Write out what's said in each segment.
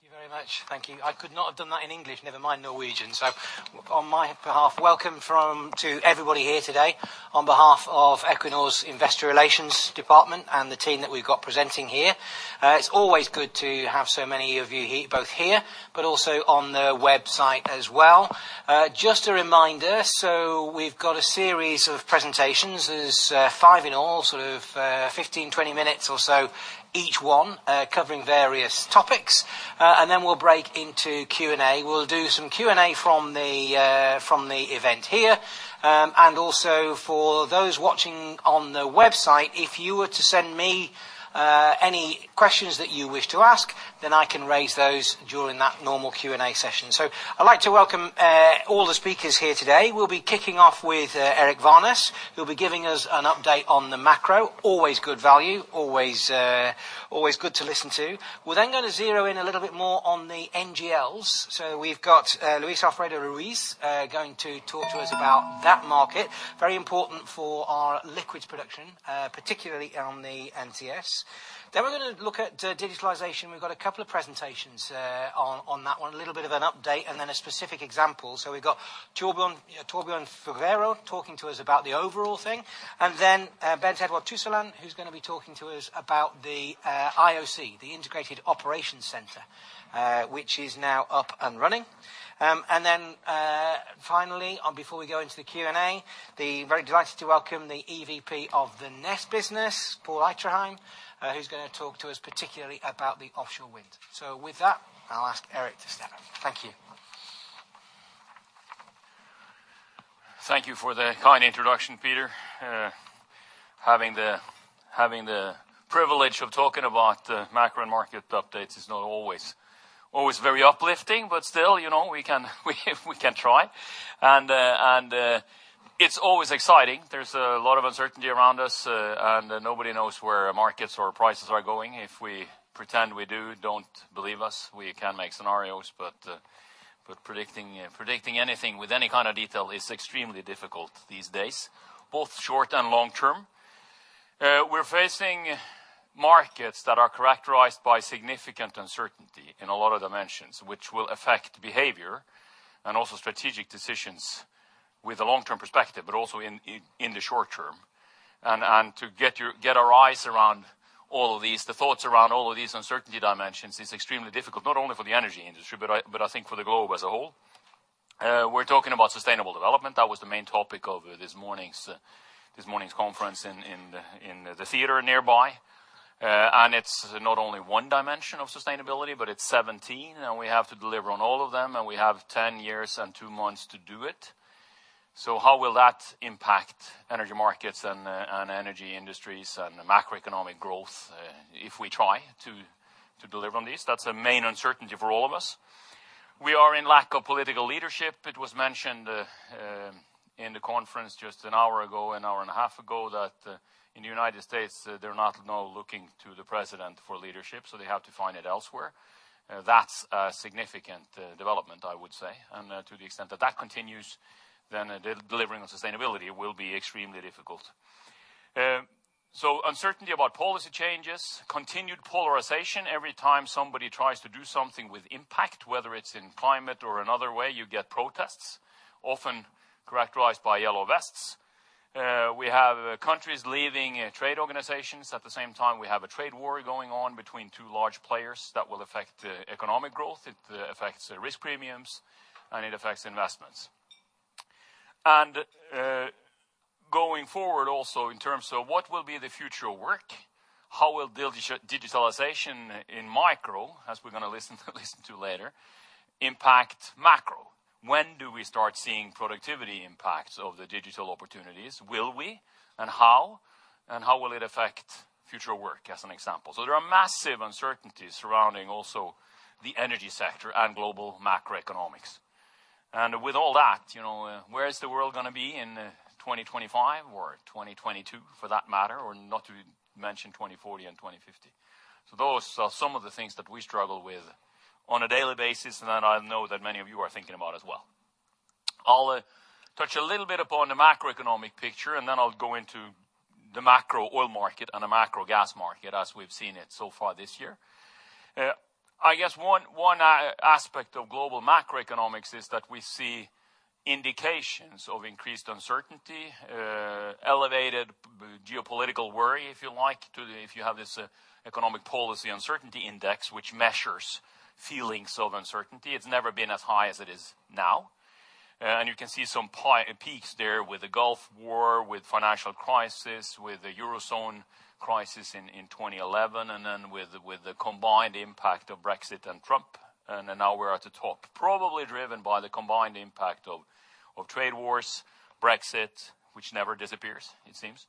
Thank you very much. Thank you. I could not have done that in English, never mind Norwegian. On my behalf, welcome to everybody here today on behalf of Equinor's investor relations department and the team that we've got presenting here. It's always good to have so many of you both here, but also on the website as well. Just a reminder, we've got a series of presentations. There's five in all, sort of 15, 20 minutes or so each one, covering various topics. We'll break into Q&A. We'll do some Q&A from the event here. For those watching on the website, if you were to send me any questions that you wish to ask, I can raise those during that normal Q&A session. I'd like to welcome all the speakers here today. We'll be kicking off with Eirik Wærness, who'll be giving us an update on the macro. Always good value, always good to listen to. We're going to zero in a little bit more on the NGLs. We've got Luis Alfredo Ruiz going to talk to us about that market. Very important for our liquids production, particularly on the NCS. We're going to look at digitalization. We've got a couple of presentations on that one, a little bit of an update and then a specific example. We've got Torbjørn Furever, talking to us about the overall thing. Bernt Edvard Tysseland, who's going to be talking to us about the IOC, the integrated operations center which is now up and running. Finally, before we go into the Q&A, very delighted to welcome the EVP of the NES business, Pål Eitrheim who's going to talk to us particularly about the offshore wind. With that, I'll ask Eirik to start. Thank you. Thank you for the kind introduction, Peter. Having the privilege of talking about the macro and market updates is not always very uplifting, but still, we can try. It's always exciting. There's a lot of uncertainty around us, and nobody knows where markets or prices are going. If we pretend we do, don't believe us. We can make scenarios, but predicting anything with any kind of detail is extremely difficult these days, both short and long term. We're facing markets that are characterized by significant uncertainty in a lot of dimensions, which will affect behavior and also strategic decisions with a long-term perspective, but also in the short term. To get our eyes around all of these, the thoughts around all of these uncertainty dimensions is extremely difficult, not only for the energy industry, but I think for the globe as a whole. We're talking about sustainable development. That was the main topic of this morning's conference in the theater nearby. It's not only one dimension of sustainability, but it's 17, and we have to deliver on all of them, and we have 10 years and 2 months to do it. How will that impact energy markets and energy industries and macroeconomic growth if we try to deliver on this? That's a main uncertainty for all of us. We are in lack of political leadership. It was mentioned in the conference just an hour ago, an hour and a half ago, that in the U.S., they're not now looking to the president for leadership, so they have to find it elsewhere. That's a significant development, I would say. To the extent that that continues, delivering on sustainability will be extremely difficult. Uncertainty about policy changes, continued polarization. Every time somebody tries to do something with impact, whether it's in climate or another way, you get protests, often characterized by yellow vests. We have countries leaving trade organizations. At the same time, we have a trade war going on between two large players that will affect economic growth. It affects risk premiums, and it affects investments. Going forward also in terms of what will be the future of work, how will digitalization in micro, as we're going to listen to later, impact macro? When do we start seeing productivity impacts of the digital opportunities? Will we, and how? How will it affect future work, as an example? There are massive uncertainties surrounding also the energy sector and global macroeconomics. With all that, where is the world going to be in 2025 or 2022 for that matter, or not to mention 2040 and 2050? Those are some of the things that we struggle with on a daily basis, and that I know that many of you are thinking about as well. I'll touch a little bit upon the macroeconomic picture, then I'll go into the macro oil market and the macro gas market as we've seen it so far this year. I guess one aspect of global macroeconomics is that we see indications of increased uncertainty, elevated geopolitical worry, if you like, if you have this economic policy uncertainty index, which measures feelings of uncertainty. It's never been as high as it is now. You can see some peaks there with the Gulf War, with financial crisis, with the Eurozone crisis in 2011, then with the combined impact of Brexit and Trump. Now we're at the top, probably driven by the combined impact of trade wars, Brexit, which never disappears, it seems.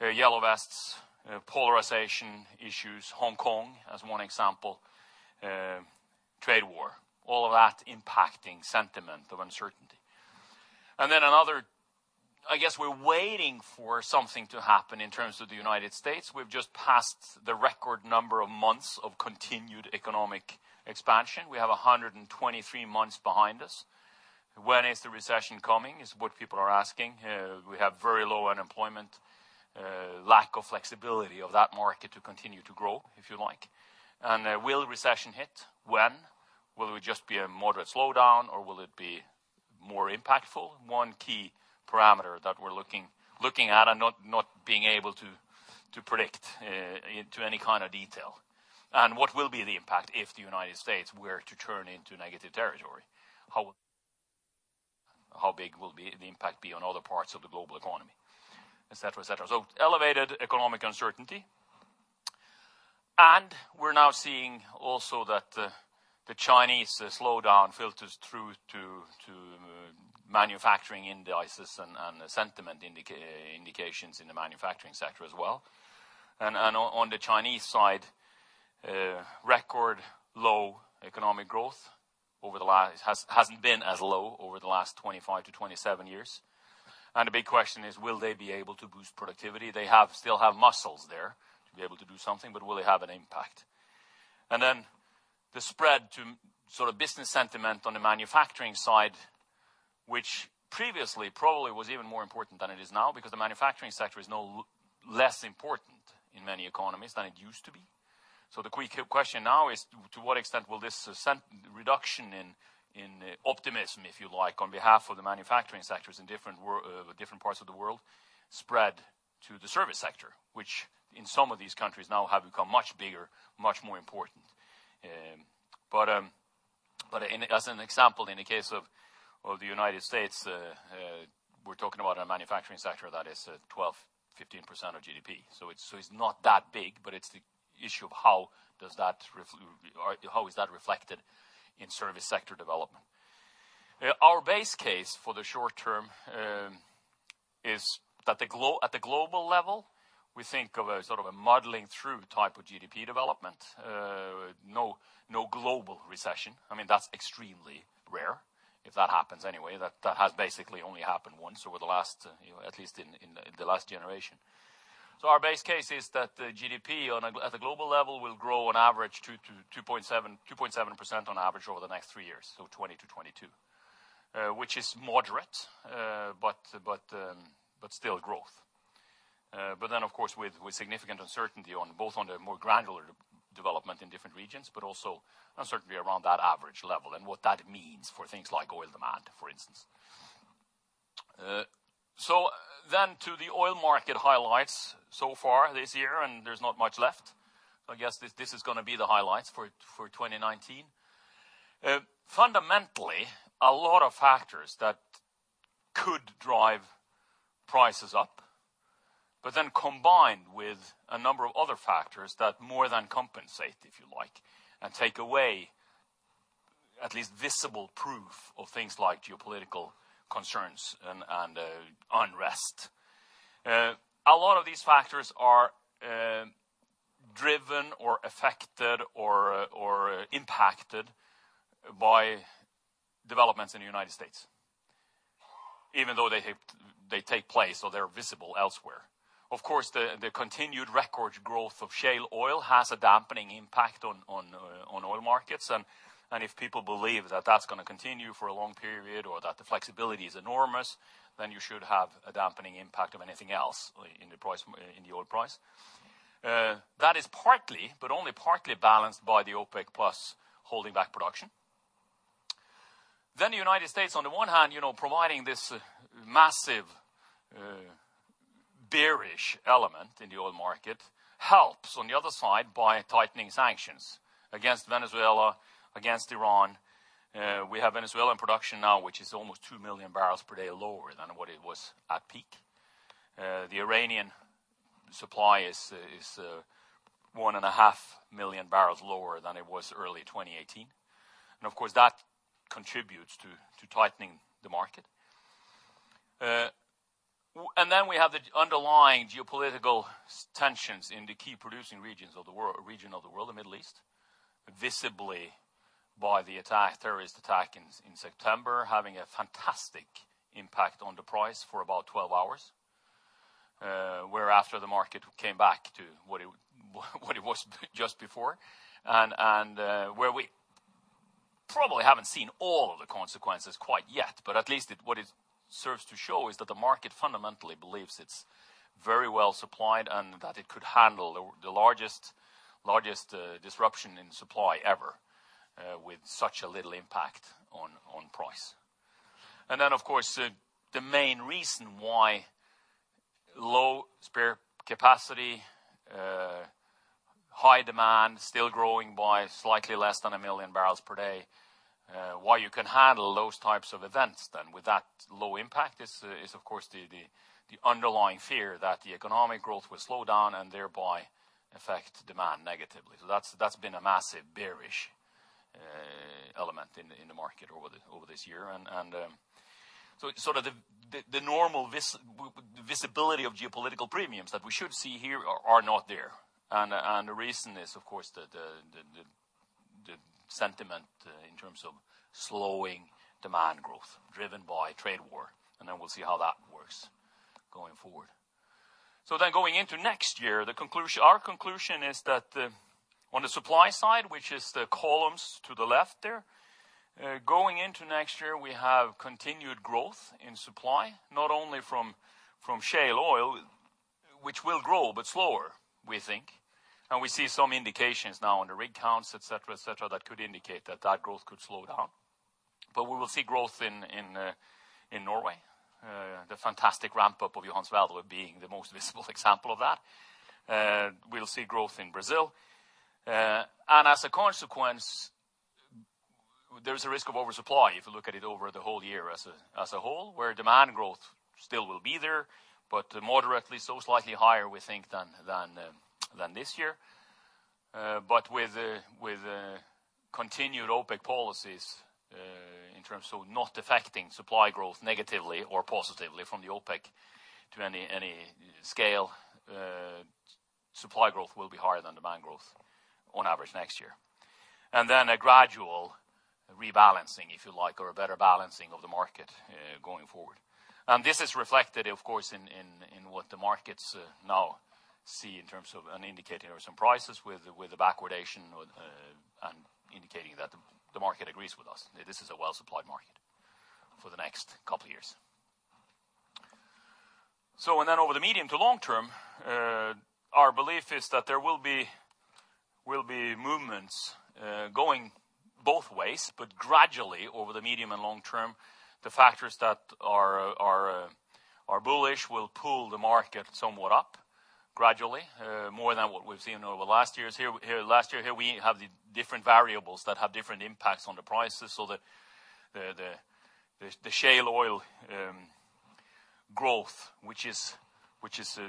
Yellow Vests, polarization issues, Hong Kong, as one example, trade war, all of that impacting sentiment of uncertainty. Then another, I guess we're waiting for something to happen in terms of the United States. We've just passed the record number of months of continued economic expansion. We have 123 months behind us. When is the recession coming? Is what people are asking. We have very low unemployment, lack of flexibility of that market to continue to grow, if you like. Will recession hit? When? Will it just be a moderate slowdown, or will it be more impactful? One key parameter that we're looking at and not being able to predict to any kind of detail. What will be the impact if the U.S. were to turn into negative territory? How big will the impact be on other parts of the global economy, et cetera. Elevated economic uncertainty. We're now seeing also that the Chinese slowdown filters through to manufacturing indices and the sentiment indications in the manufacturing sector as well. On the Chinese side, record low economic growth. Hasn't been as low over the last 25 to 27 years. The big question is will they be able to boost productivity? They still have muscles there to be able to do something, but will it have an impact? The spread to business sentiment on the manufacturing side, which previously probably was even more important than it is now, because the manufacturing sector is less important in many economies than it used to be. The quick question now is to what extent will this reduction in optimism, if you like, on behalf of the manufacturing sectors in different parts of the world spread to the service sector? Which in some of these countries now have become much bigger, much more important. As an example, in the case of the U.S., we're talking about a manufacturing sector that is 12%, 15% of GDP. It's not that big, but it's the issue of how is that reflected in service sector development. Our base case for the short term is at the global level, we think of a muddling through type of GDP development. No global recession. That's extremely rare, if that happens anyway, that has basically only happened once over at least in the last generation. Our base case is that the GDP at the global level will grow on average to 2.7% on average over the next three years, 2020-2022, which is moderate, but still growth. Of course with significant uncertainty both on the more granular development in different regions, but also uncertainty around that average level and what that means for things like oil demand, for instance. To the oil market highlights so far this year, and there's not much left. I guess this is going to be the highlights for 2019. Fundamentally, a lot of factors that could drive prices up, but then combined with a number of other factors that more than compensate, if you like, and take away at least visible proof of things like geopolitical concerns and unrest. A lot of these factors are driven or affected or impacted by developments in the U.S., even though they take place or they're visible elsewhere. Of course, the continued record growth of shale oil has a dampening impact on oil markets. If people believe that that's going to continue for a long period or that the flexibility is enormous, you should have a dampening impact of anything else in the oil price. That is partly, but only partly balanced by the OPEC+ holding back production. The U.S., on the one hand, providing this massive bearish element in the oil market helps on the other side by tightening sanctions against Venezuela, against Iran. We have Venezuelan production now, which is almost 2 million barrels per day lower than what it was at peak. The Iranian supply is 1.5 million barrels lower than it was early 2018. Of course, that contributes to tightening the market. Then we have the underlying geopolitical tensions in the key producing region of the world, the Middle East, visibly by the terrorist attack in September, having a fantastic impact on the price for about 12 hours. Whereafter the market came back to what it was just before. Where we probably haven't seen all of the consequences quite yet, but at least what it serves to show is that the market fundamentally believes it's very well supplied and that it could handle the largest disruption in supply ever with such a little impact on price. Then, of course, the main reason why low spare capacity, high demand, still growing by slightly less than a million barrels per day. Why you can handle those types of events then with that low impact is of course the underlying fear that the economic growth will slow down and thereby affect demand negatively. That's been a massive bearish element in the market over this year. The normal visibility of geopolitical premiums that we should see here are not there. The reason is, of course, the sentiment in terms of slowing demand growth driven by trade war. We'll see how that works going forward. Going into next year, our conclusion is that on the supply side, which is the columns to the left there, going into next year, we have continued growth in supply, not only from shale oil, which will grow but slower, we think. We see some indications now on the rig counts, et cetera, et cetera, that could indicate that growth could slow down. We will see growth in Norway. The fantastic ramp-up of Johan Sverdrup being the most visible example of that. We'll see growth in Brazil. As a consequence, there is a risk of oversupply if you look at it over the whole year as a whole, where demand growth still will be there, but moderately so, slightly higher, we think, than this year. With continued OPEC policies in terms of not affecting supply growth negatively or positively from the OPEC to any scale, supply growth will be higher than demand growth on average next year. Then a gradual rebalancing, if you like, or a better balancing of the market, going forward. This is reflected, of course, in what the markets now see in terms of an indicator of some prices with the backwardation and indicating that the market agrees with us. This is a well-supplied market for the next couple years. Over the medium to long term, our belief is that there will be movements going both ways, but gradually over the medium and long term, the factors that are bullish will pull the market somewhat up gradually, more than what we've seen over the last years here. Last year here we have the different variables that have different impacts on the prices so that the shale oil growth, which is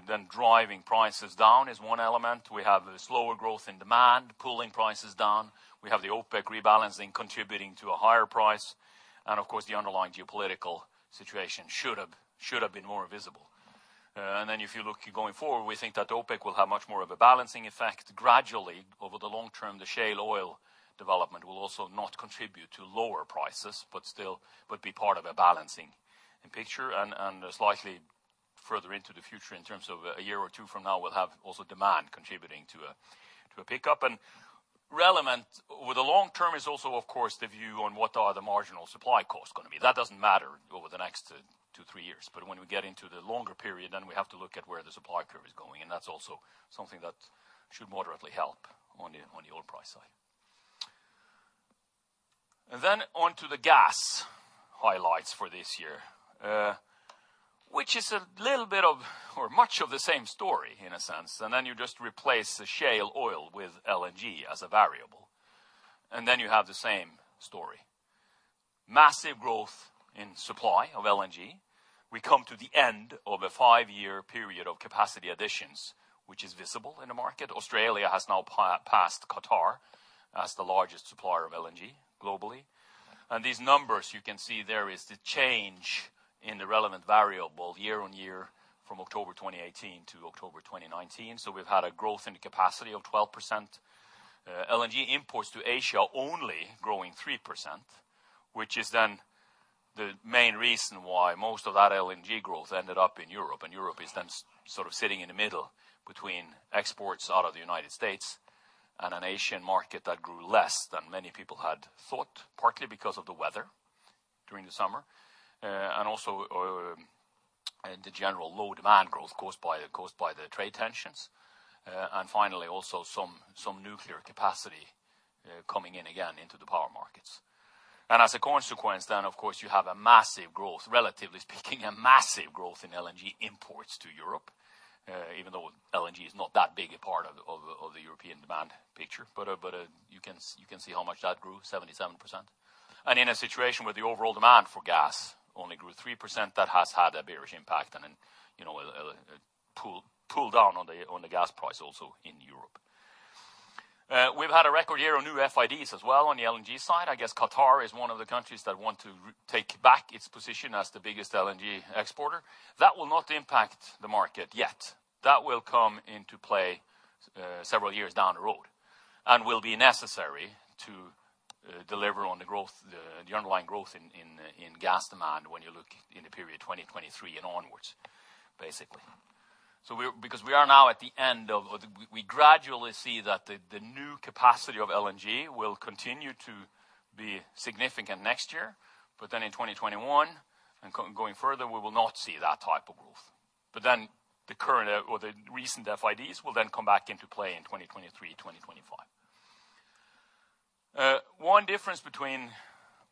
then driving prices down, is one element. We have the slower growth in demand pulling prices down. We have the OPEC rebalancing contributing to a higher price. Of course, the underlying geopolitical situation should have been more visible. If you look going forward, we think that OPEC will have much more of a balancing effect gradually over the long term. The shale oil development will also not contribute to lower prices, but be part of a balancing picture and slightly further into the future in terms of a year or two from now, we'll have also demand contributing to a pickup. Relevant over the long term is also, of course, the view on what are the marginal supply costs going to be. That doesn't matter over the next two, three years. When we get into the longer period, then we have to look at where the supply curve is going, and that's also something that should moderately help on the oil price side. Onto the gas highlights for this year, which is a little bit of or much of the same story in a sense. Then you just replace the shale oil with LNG as a variable, then you have the same story. Massive growth in supply of LNG. We come to the end of a 5-year period of capacity additions, which is visible in the market. Australia has now passed Qatar as the largest supplier of LNG globally. These numbers you can see there is the change in the relevant variable year on year from October 2018 to October 2019. We've had a growth in capacity of 12%. LNG imports to Asia only growing 3%, which is then the main reason why most of that LNG growth ended up in Europe. Europe is sort of sitting in the middle between exports out of the U.S. and an Asian market that grew less than many people had thought, partly because of the weather during the summer. Also, the general low demand growth caused by the trade tensions. Finally, also some nuclear capacity coming in again into the power markets. As a consequence, of course, you have a massive growth, relatively speaking, a massive growth in LNG imports to Europe, even though LNG is not that big a part of the European demand picture. You can see how much that grew, 77%. In a situation where the overall demand for gas only grew 3%, that has had a bearish impact and pull down on the gas price also in Europe. We've had a record year on new FIDs as well on the LNG side. I guess Qatar is one of the countries that want to take back its position as the biggest LNG exporter. That will not impact the market yet. That will come into play several years down the road and will be necessary to deliver on the underlying growth in gas demand when you look in the period 2023 and onwards, basically. We gradually see that the new capacity of LNG will continue to be significant next year. In 2021 and going further, we will not see that type of growth. The current or the recent FIDs will then come back into play in 2023, 2025. One difference between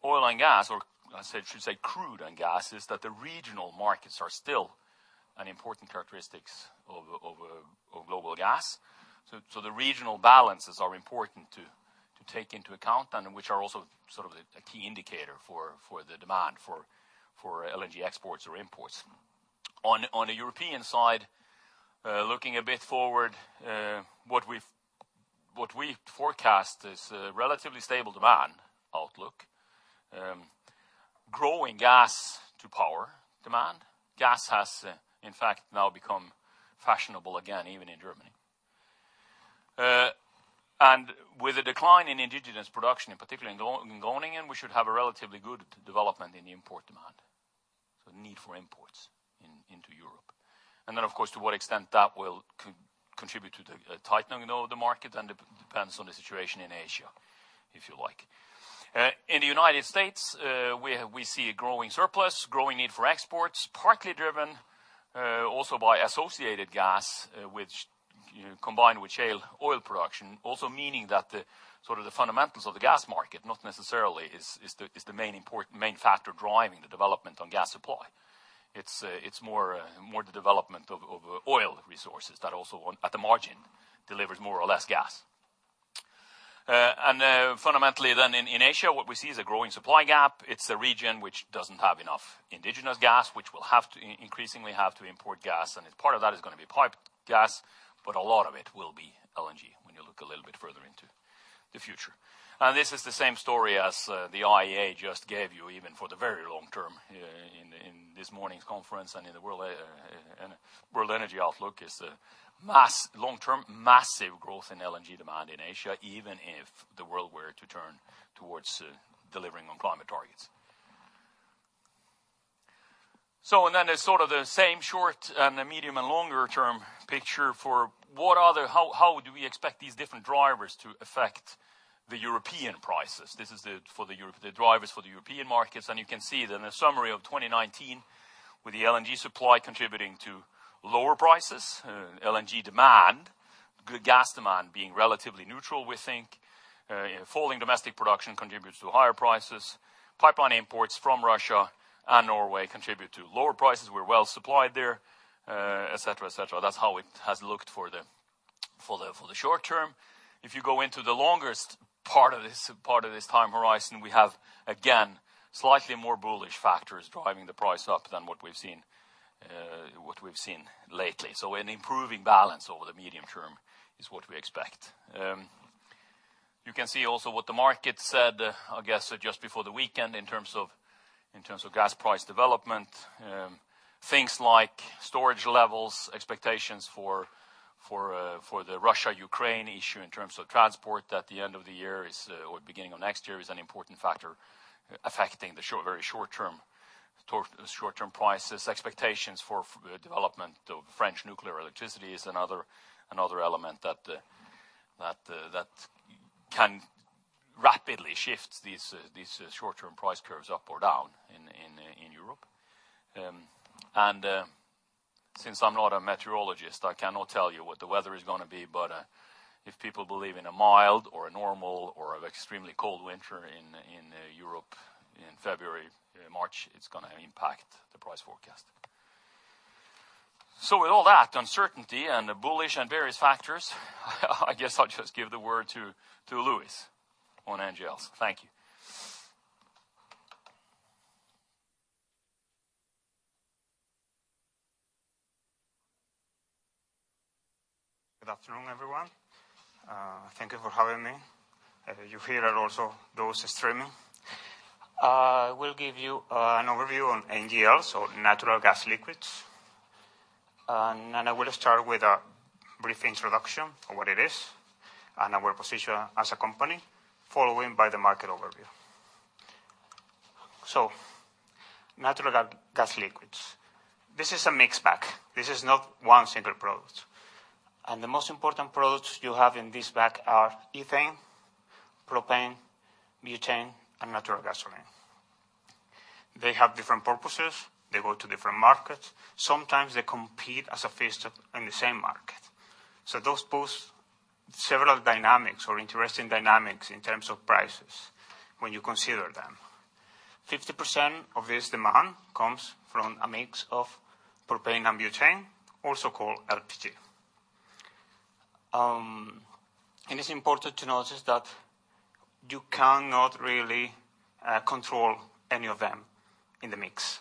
oil and gas or I should say crude and gas, is that the regional markets are still an important characteristics of global gas. The regional balances are important to take into account and which are also sort of a key indicator for the demand for LNG exports or imports. On the European side, looking a bit forward, what we forecast is a relatively stable demand outlook. Growing gas to power demand. Gas has, in fact, now become fashionable again, even in Germany. With a decline in indigenous production, in particular in Groningen, we should have a relatively good development in the import demand. Need for imports into Europe. Of course, to what extent that will contribute to the tightening of the market, and it depends on the situation in Asia, if you like. In the United States, we see a growing surplus, growing need for exports, partly driven also by associated gas, which combined with shale oil production, also meaning that the fundamentals of the gas market not necessarily is the main factor driving the development on gas supply. It's more the development of oil resources that also at the margin delivers more or less gas. Fundamentally then in Asia, what we see is a growing supply gap. It's a region which doesn't have enough indigenous gas, which will increasingly have to import gas, and part of that is going to be piped gas, but a lot of it will be LNG when you look a little bit further into the future. This is the same story as the IEA just gave you, even for the very long term in this morning's conference and in the world, energy outlook is a long-term massive growth in LNG demand in Asia, even if the world were to turn towards delivering on climate targets. There's sort of the same short and the medium and longer term picture for how do we expect these different drivers to affect the European prices? This is the drivers for the European markets, and you can see that in the summary of 2019, with the LNG supply contributing to lower prices, LNG demand, good gas demand being relatively neutral, we think. Falling domestic production contributes to higher prices. Pipeline imports from Russia and Norway contribute to lower prices, we're well supplied there, et cetera. That's how it has looked for the short term. If you go into the longest part of this time horizon, we have, again, slightly more bullish factors driving the price up than what we've seen lately. An improving balance over the medium term is what we expect. You can see also what the market said, I guess, just before the weekend in terms of gas price development. Things like storage levels, expectations for the Russia-Ukraine issue in terms of transport at the end of the year or beginning of next year is an important factor affecting the very short-term prices. Expectations for the development of French nuclear electricity is another element that can rapidly shift these short-term price curves up or down in Europe. Since I'm not a meteorologist, I cannot tell you what the weather is going to be, but if people believe in a mild or a normal or extremely cold winter in Europe in February, March, it's going to impact the price forecast. With all that uncertainty and the bullish and various factors, I guess I'll just give the word to Luis on NGLs. Thank you. Good afternoon, everyone. Thank you for having me. You hear also those streaming. I will give you an overview on NGLs, so natural gas liquids. I will start with a brief introduction on what it is and our position as a company, following by the market overview. Natural gas liquids. This is a mixed bag. This is not one single product. The most important products you have in this bag are ethane, propane, butane, and natural gasoline. They have different purposes. They go to different markets. Sometimes they compete as a force in the same market. Those pose several dynamics or interesting dynamics in terms of prices when you consider them. 50% of this demand comes from a mix of propane and butane, also called LPG. It's important to notice that you cannot really control any of them in the mix,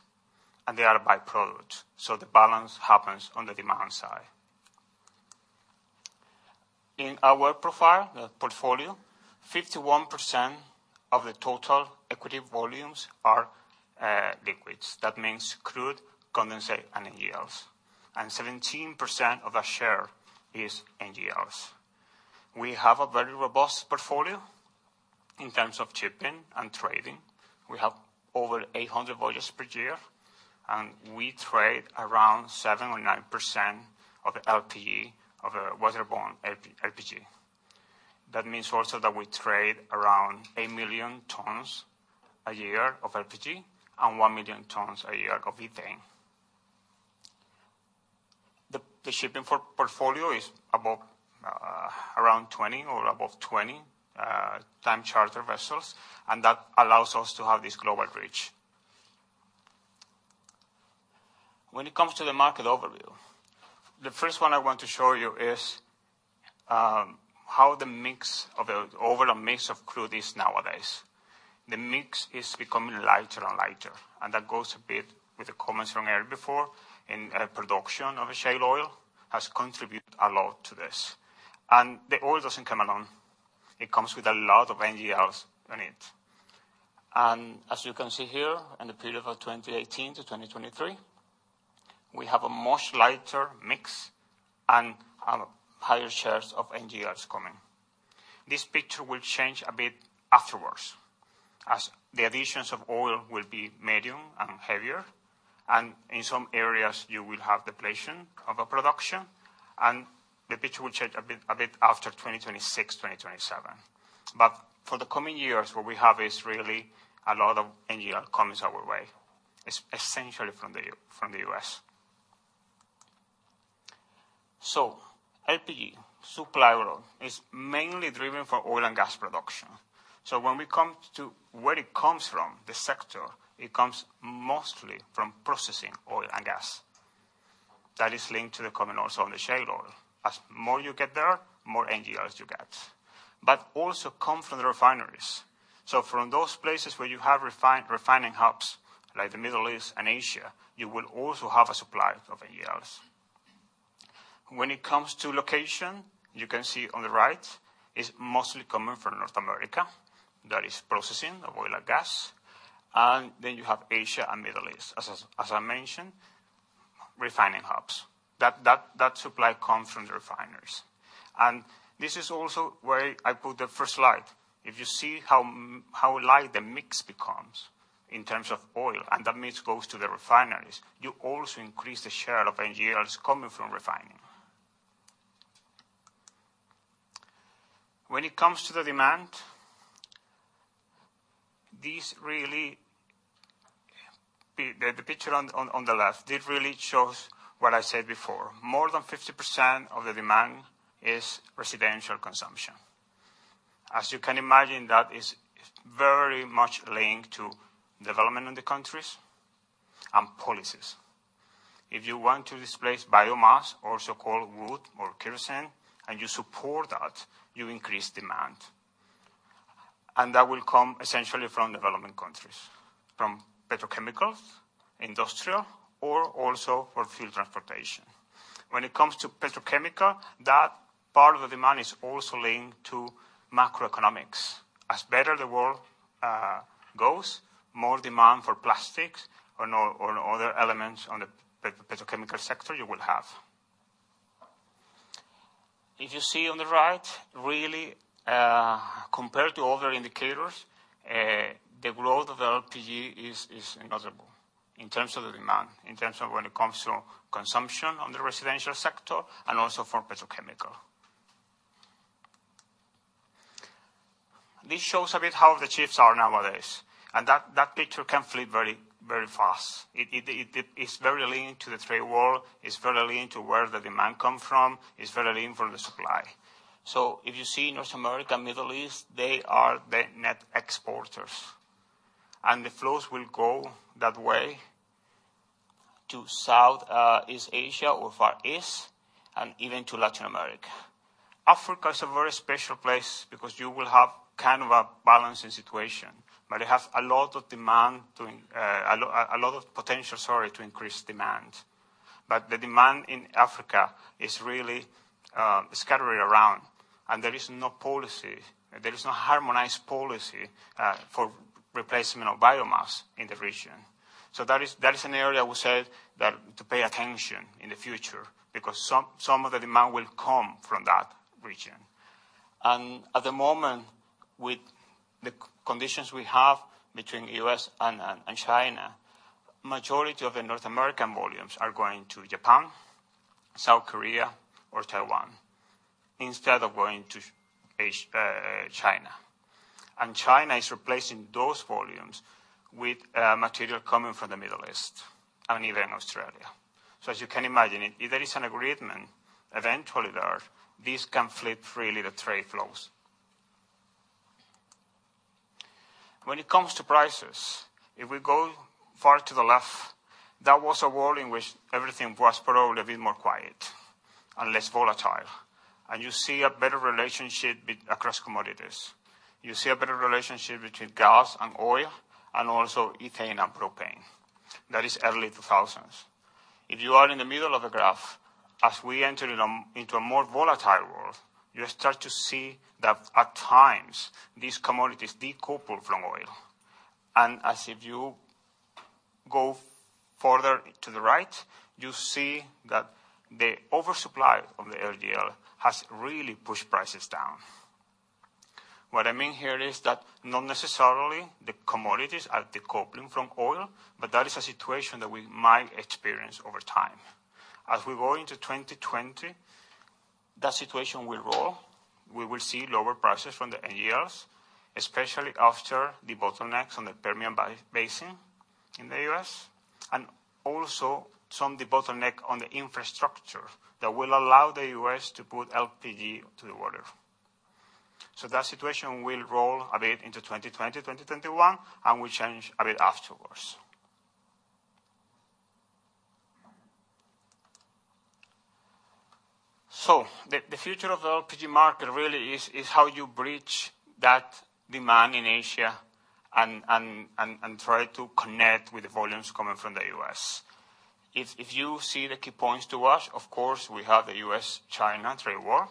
and they are a by-product, the balance happens on the demand side. In our profile, the portfolio, 51% of the total equity volumes are liquids. That means crude, condensate, and NGLs. 17% of our share is NGLs. We have a very robust portfolio in terms of shipping and trading. We have over 800 voyages per year, and we trade around 7% or 9% of the waterborne LPG. That means also that we trade around 8 million tons a year of LPG and 1 million tons a year of ethane. The shipping portfolio is around 20 or above 20 time charter vessels, that allows us to have this global reach. When it comes to the market overview, the first one I want to show you is how the overall mix of crude is nowadays. The mix is becoming lighter and lighter. That goes a bit with the comments from earlier before in production of shale oil has contributed a lot to this. The oil doesn't come alone. It comes with a lot of NGLs in it. As you can see here, in the period of 2018 to 2023, we have a much lighter mix and higher shares of NGLs coming. This picture will change a bit afterwards, as the additions of oil will be medium and heavier. In some areas you will have depletion of a production. The picture will change a bit after 2026, 2027. For the coming years, what we have is really a lot of NGL coming our way, essentially from the U.S. LPG supply oil is mainly driven from oil and gas production. When we come to where it comes from, the sector, it comes mostly from processing oil and gas. That is linked to the coming oil on the shale oil. As more you get there, more NGLs you get. Also come from the refineries. From those places where you have refining hubs, like the Middle East and Asia, you will also have a supply of NGLs. When it comes to location, you can see on the right, is mostly coming from North America. That is processing of oil and gas. Then you have Asia and Middle East, as I mentioned, refining hubs. That supply comes from the refineries. This is also where I put the first slide. If you see how light the mix becomes in terms of oil, and that mix goes to the refineries, you also increase the share of NGLs coming from refining. When it comes to the demand, the picture on the left, that really shows what I said before. More than 50% of the demand is residential consumption. As you can imagine, that is very much linked to development in the countries and policies. If you want to displace biomass, also called wood or kerosene, and you support that, you increase demand. That will come essentially from development countries, from petrochemicals, industrial, or also for field transportation. When it comes to petrochemical, that part of the demand is also linked to macroeconomics. As better the world goes, more demand for plastics or other elements on the petrochemical sector you will have. If you see on the right, really, compared to other indicators, the growth of the LPG is notable in terms of the demand, in terms of when it comes to consumption on the residential sector and also for petrochemical. This shows a bit how the shifts are nowadays, and that picture can flip very fast. It is very linked to the trade world, it's very linked to where the demand comes from, it's very linked from the supply. If you see North America, Middle East, they are the net exporters. The flows will go that way to Southeast Asia or Far East, and even to Latin America. Africa is a very special place because you will have a balancing situation, but it has a lot of potential to increase demand. The demand in Africa is really scattered around, and there is no policy. There is no harmonized policy for replacement of biomass in the region. That is an area we said to pay attention in the future because some of the demand will come from that region. At the moment, with the conditions we have between U.S. and China, majority of the North American volumes are going to Japan, South Korea, or Taiwan, instead of going to China. China is replacing those volumes with material coming from the Middle East and even Australia. As you can imagine, if there is an agreement eventually there, this can flip really the trade flows. When it comes to prices, if we go far to the left, that was a world in which everything was probably a bit more quiet and less volatile. You see a better relationship across commodities. You see a better relationship between gas and oil and also ethane and propane. That is early 2000s. If you are in the middle of a graph, as we enter into a more volatile world, you start to see that at times, these commodities decouple from oil. As if you go further to the right, you see that the oversupply of the NGLs has really pushed prices down. What I mean here is that not necessarily the commodities are decoupling from oil, but that is a situation that we might experience over time. As we go into 2020, that situation will roll. We will see lower prices from the NGLs, especially after the bottlenecks on the Permian Basin in the U.S., and also some of the bottleneck on the infrastructure that will allow the U.S. to put LPG to the water. That situation will roll a bit into 2020, 2021, and will change a bit afterwards. The future of the LPG market really is how you bridge that demand in Asia and try to connect with the volumes coming from the U.S. If you see the key points to watch, of course, we have the U.S.-China trade war.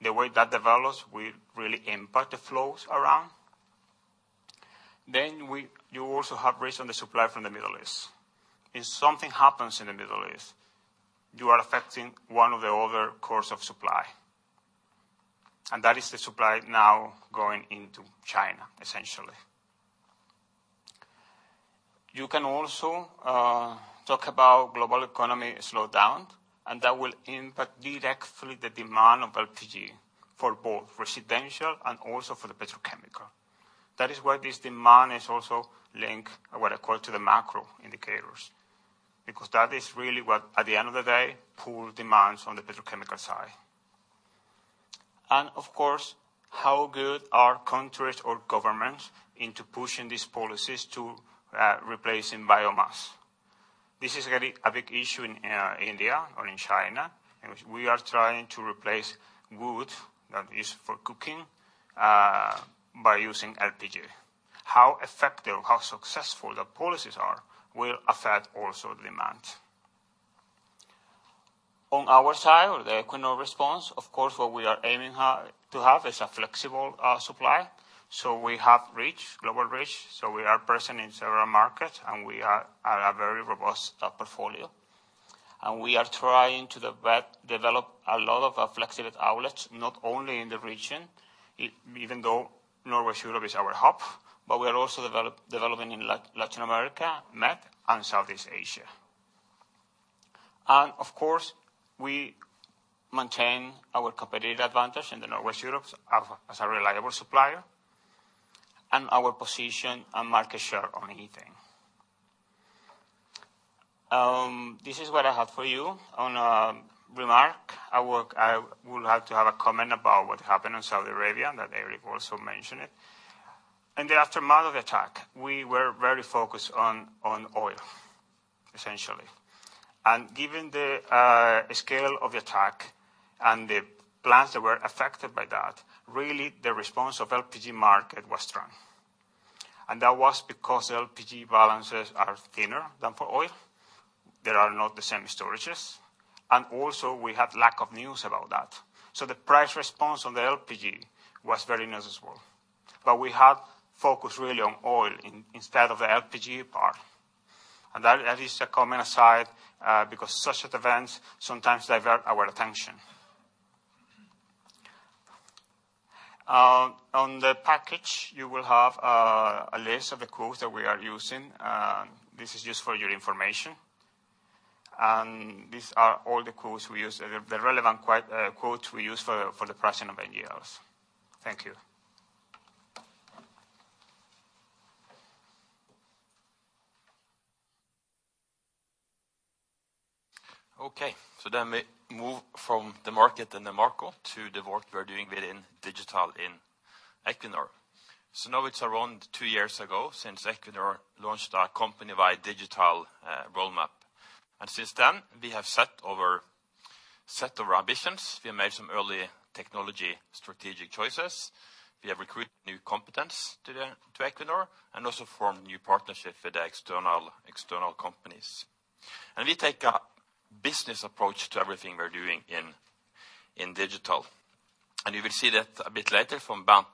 The way that develops will really impact the flows around. You also have recent supply from the Middle East. If something happens in the Middle East, you are affecting one of the other cores of supply, and that is the supply now going into China, essentially. You can also talk about global economy slowdown, and that will impact directly the demand of LPG for both residential and also for the petrochemical. That is why this demand is also linked, what I call, to the macro indicators, because that is really what, at the end of the day, pool demands on the petrochemical side. How good are countries or governments into pushing these policies to replacing biomass? This is really a big issue in India or in China. We are trying to replace wood that is used for cooking by using LPG. How effective or how successful the policies are will affect also the demand. On our side, or the Equinor response, of course, what we are aiming to have is a flexible supply. We have reach, global reach. We are present in several markets. We are a very robust portfolio. We are trying to develop a lot of flexible outlets, not only in the region, even though Northwest Europe is our hub, but we are also developing in Latin America, MED, and Southeast Asia. Of course, we maintain our competitive advantage in the Northwest Europe as a reliable supplier and our position and market share on ethane. This is what I have for you on remark. I will have to have a comment about what happened in Saudi Arabia, that Erik also mentioned it. In the aftermath of the attack, we were very focused on oil, essentially. Given the scale of the attack and the plants that were affected by that, really, the response of LPG market was strong. That was because LPG balances are thinner than for oil. There are not the same storages. Also we had lack of news about that. The price response on the LPG was very noticeable. We have focused really on oil instead of the LPG part. That is a comment aside, because such events sometimes divert our attention. On the package, you will have a list of the quotes that we are using. This is just for your information. These are all the quotes we use, the relevant quotes we use for the pricing of NGLs. Thank you. Okay. We move from the market and the macro to the work we are doing within digital in Equinor. Now it's around two years ago since Equinor launched a company-wide digital roadmap. Since then, we have set our ambitions. We have made some early technology strategic choices. We have recruited new competence to Equinor and also formed new partnerships with the external companies. We take a business approach to everything we're doing in digital. You will see that a bit later from Bernt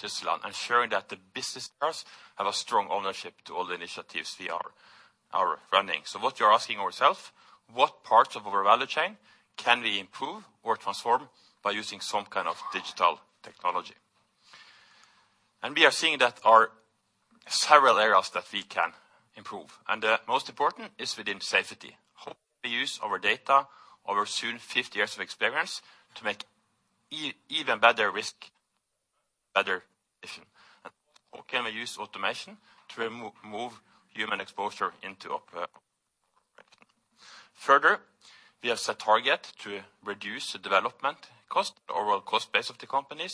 Tysseland, ensuring that the business areas have a strong ownership to all the initiatives we are running. What you're asking ourselves, what parts of our value chain can we improve or transform by using some kind of digital technology? We are seeing that are several areas that we can improve. The most important is within safety. How we use our data, our soon 50 years of experience to make even better risk, better decision. How can we use automation to remove human exposure into operating? We have set target to reduce the development cost, overall cost base of the company,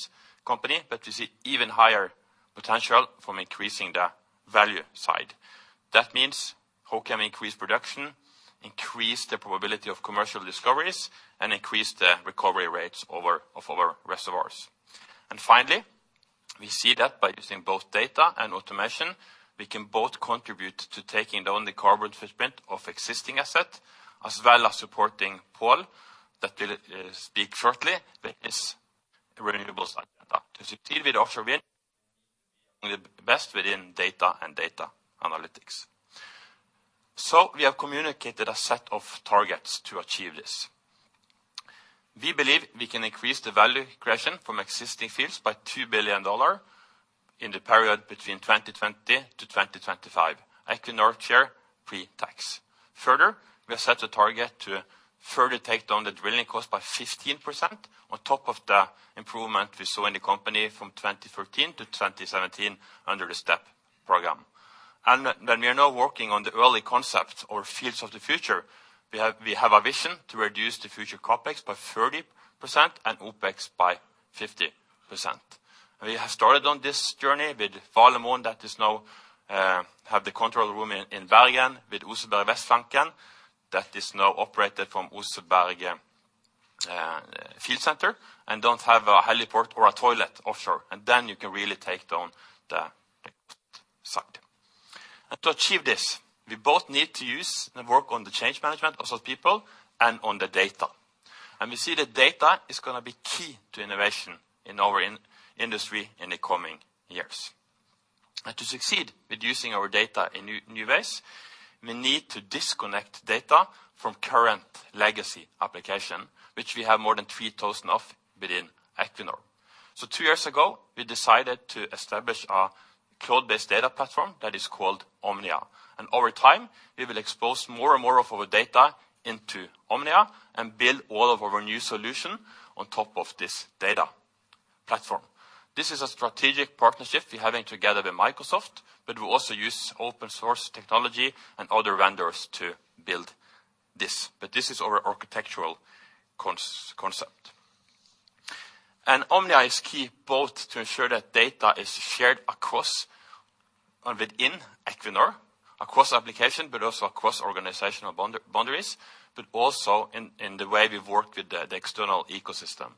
but to see even higher potential from increasing the value side. That means how can we increase production, increase the probability of commercial discoveries, and increase the recovery rates of our reservoirs. Finally, we see that by using both data and automation, we can both contribute to taking down the carbon footprint of existing asset, as well as supporting Pål, that will speak shortly, with his renewable side to succeed with offshore wind, the best within data and data analytics. We have communicated a set of targets to achieve this. We believe we can increase the value creation from existing fields by $2 billion in the period between 2020 to 2025, Equinor share pre-tax. We have set a target to further take down the drilling cost by 15% on top of the improvement we saw in the company from 2013 to 2017 under the STEP program. We are now working on the early concept or fields of the future. We have a vision to reduce the future CapEx by 30% and OpEx by 50%. We have started on this journey with Valemon that is now have the control room in Bergen with Oseberg Vestflanken that is now operated from Oseberg Field Center and don't have a heliport or a toilet offshore. To achieve this, we both need to use and work on the change management of those people and on the data. We see that data is going to be key to innovation in our industry in the coming years. To succeed with using our data in new ways, we need to disconnect data from current legacy application, which we have more than 3,000 of within Equinor. Two years ago, we decided to establish a cloud-based data platform that is called Omnia. Over time, we will expose more and more of our data into Omnia and build all of our new solution on top of this data platform. This is a strategic partnership we're having together with Microsoft. We also use open source technology and other vendors to build this. This is our architectural concept. Omnia is key both to ensure that data is shared across and within Equinor, across application, but also across organizational boundaries, but also in the way we work with the external ecosystem.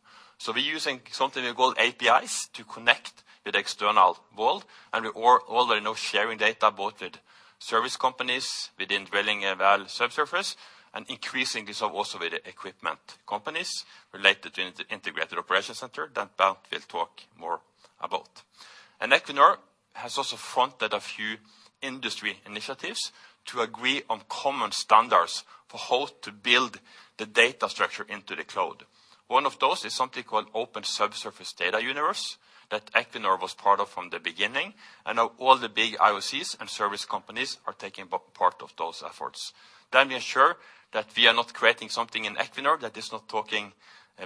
We're using something we call APIs to connect with the external world, and we're already now sharing data both with service companies within drilling a well subsurface, and increasingly so also with the equipment companies related to integrated operation center that Bernt will talk more about. Equinor has also fronted a few industry initiatives to agree on common standards for how to build the data structure into the cloud. One of those is something called Open Subsurface Data Universe that Equinor was part of from the beginning, and now all the big IOCs and service companies are taking part of those efforts. That will ensure that we are not creating something in Equinor that is not talking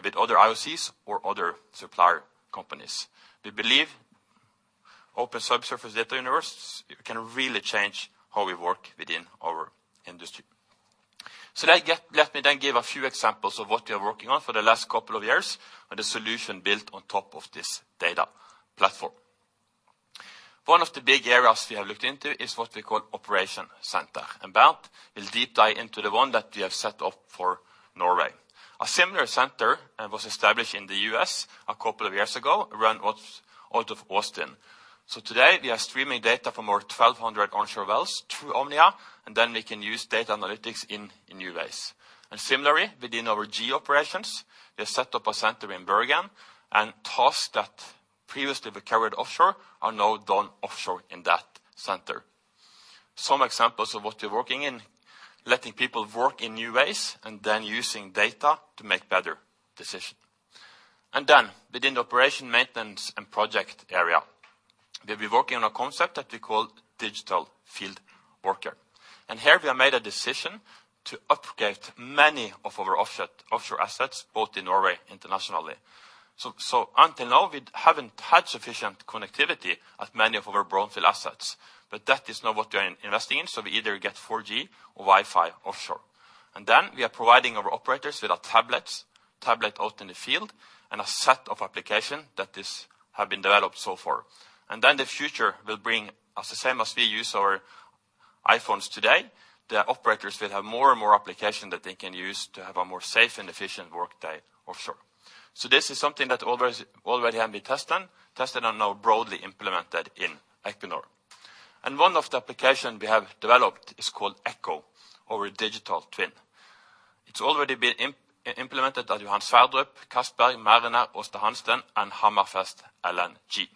with other IOCs or other supplier companies. We believe Open Subsurface Data Universe can really change how we work within our industry. Let me then give a few examples of what we are working on for the last couple of years, and the solution built on top of this data platform. One of the big areas we have looked into is what we call operation center, and Bernt will deep dive into the one that we have set up for Norway. A similar center was established in the U.S. a couple of years ago out of Austin. Today, we are streaming data from our 1,200 onshore wells through Omnia, and then we can use data analytics in new ways. Similarly, within our O&M operations, we have set up a center in Bergen, and tasks that previously were carried offshore are now done offshore in that center. Some examples of what we're working in, letting people work in new ways, then using data to make better decisions. Within the operation maintenance and project area, we've been working on a concept that we call digital field worker. Here we have made a decision to upgrade many of our offshore assets, both in Norway, internationally. Until now, we haven't had sufficient connectivity at many of our brownfield assets, that is now what we are investing in. We either get 4G or Wi-Fi offshore. We are providing our operators with our tablet out in the field, and a set of applications that have been developed so far. The future will bring us the same as we use our iPhones today. The operators will have more and more application that they can use to have a more safe and efficient workday offshore. This is something that already have been tested, and now broadly implemented in Equinor. One of the application we have developed is called Echo or a digital twin. It's already been implemented at Johan Sverdrup, Castberg, Mariner, Oseberg Øst, and Hammerfest LNG.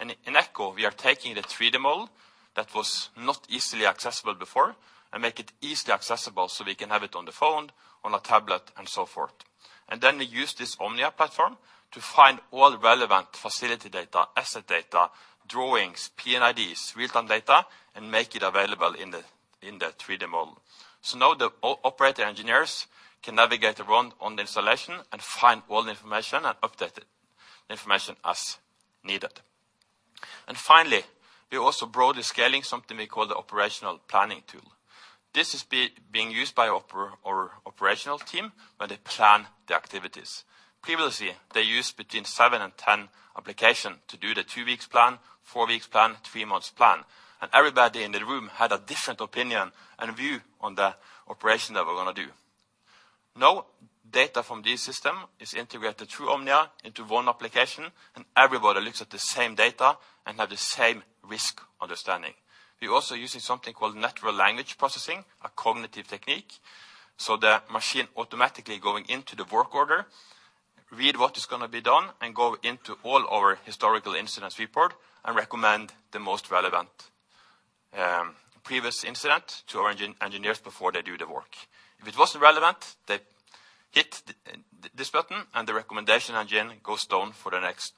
In Echo, we are taking the 3D model that was not easily accessible before and make it easily accessible so we can have it on the phone, on a tablet, and so forth. We use this Omnia platform to find all relevant facility data, asset data, drawings, P&IDs, real-time data, and make it available in the 3D model. Now the operator engineers can navigate around on the installation and find all the information and update the information as needed. Finally, we are also broadly scaling something we call the operational planning tool. This is being used by our operational team when they plan the activities. Previously, they used between seven and 10 application to do the two weeks plan, four weeks plan, three months plan, and everybody in the room had a different opinion and view on the operation that we're going to do. Data from this system is integrated through Omnia into one application, and everybody looks at the same data and have the same risk understanding. We're also using something called natural language processing, a cognitive technique, so the machine automatically going into the work order, read what is going to be done, and go into all our historical incidents report and recommend the most relevant previous incident to our engineers before they do the work. If it wasn't relevant, they hit this button and the recommendation engine goes down for the next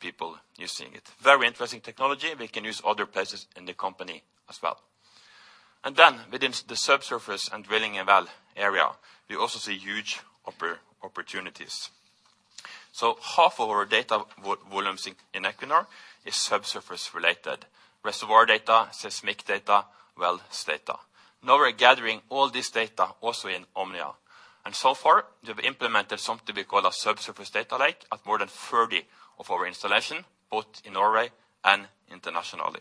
people using it. Very interesting technology. We can use other places in the company as well. Within the subsurface and drilling a well area, we also see huge opportunities. Half of our data volumes in Equinor is subsurface-related. Reservoir data, seismic data, wells data. Now we're gathering all this data also in Omnia. So far, we have implemented something we call a Subsurface Data Lake at more than 40 of our installation, both in Norway and internationally.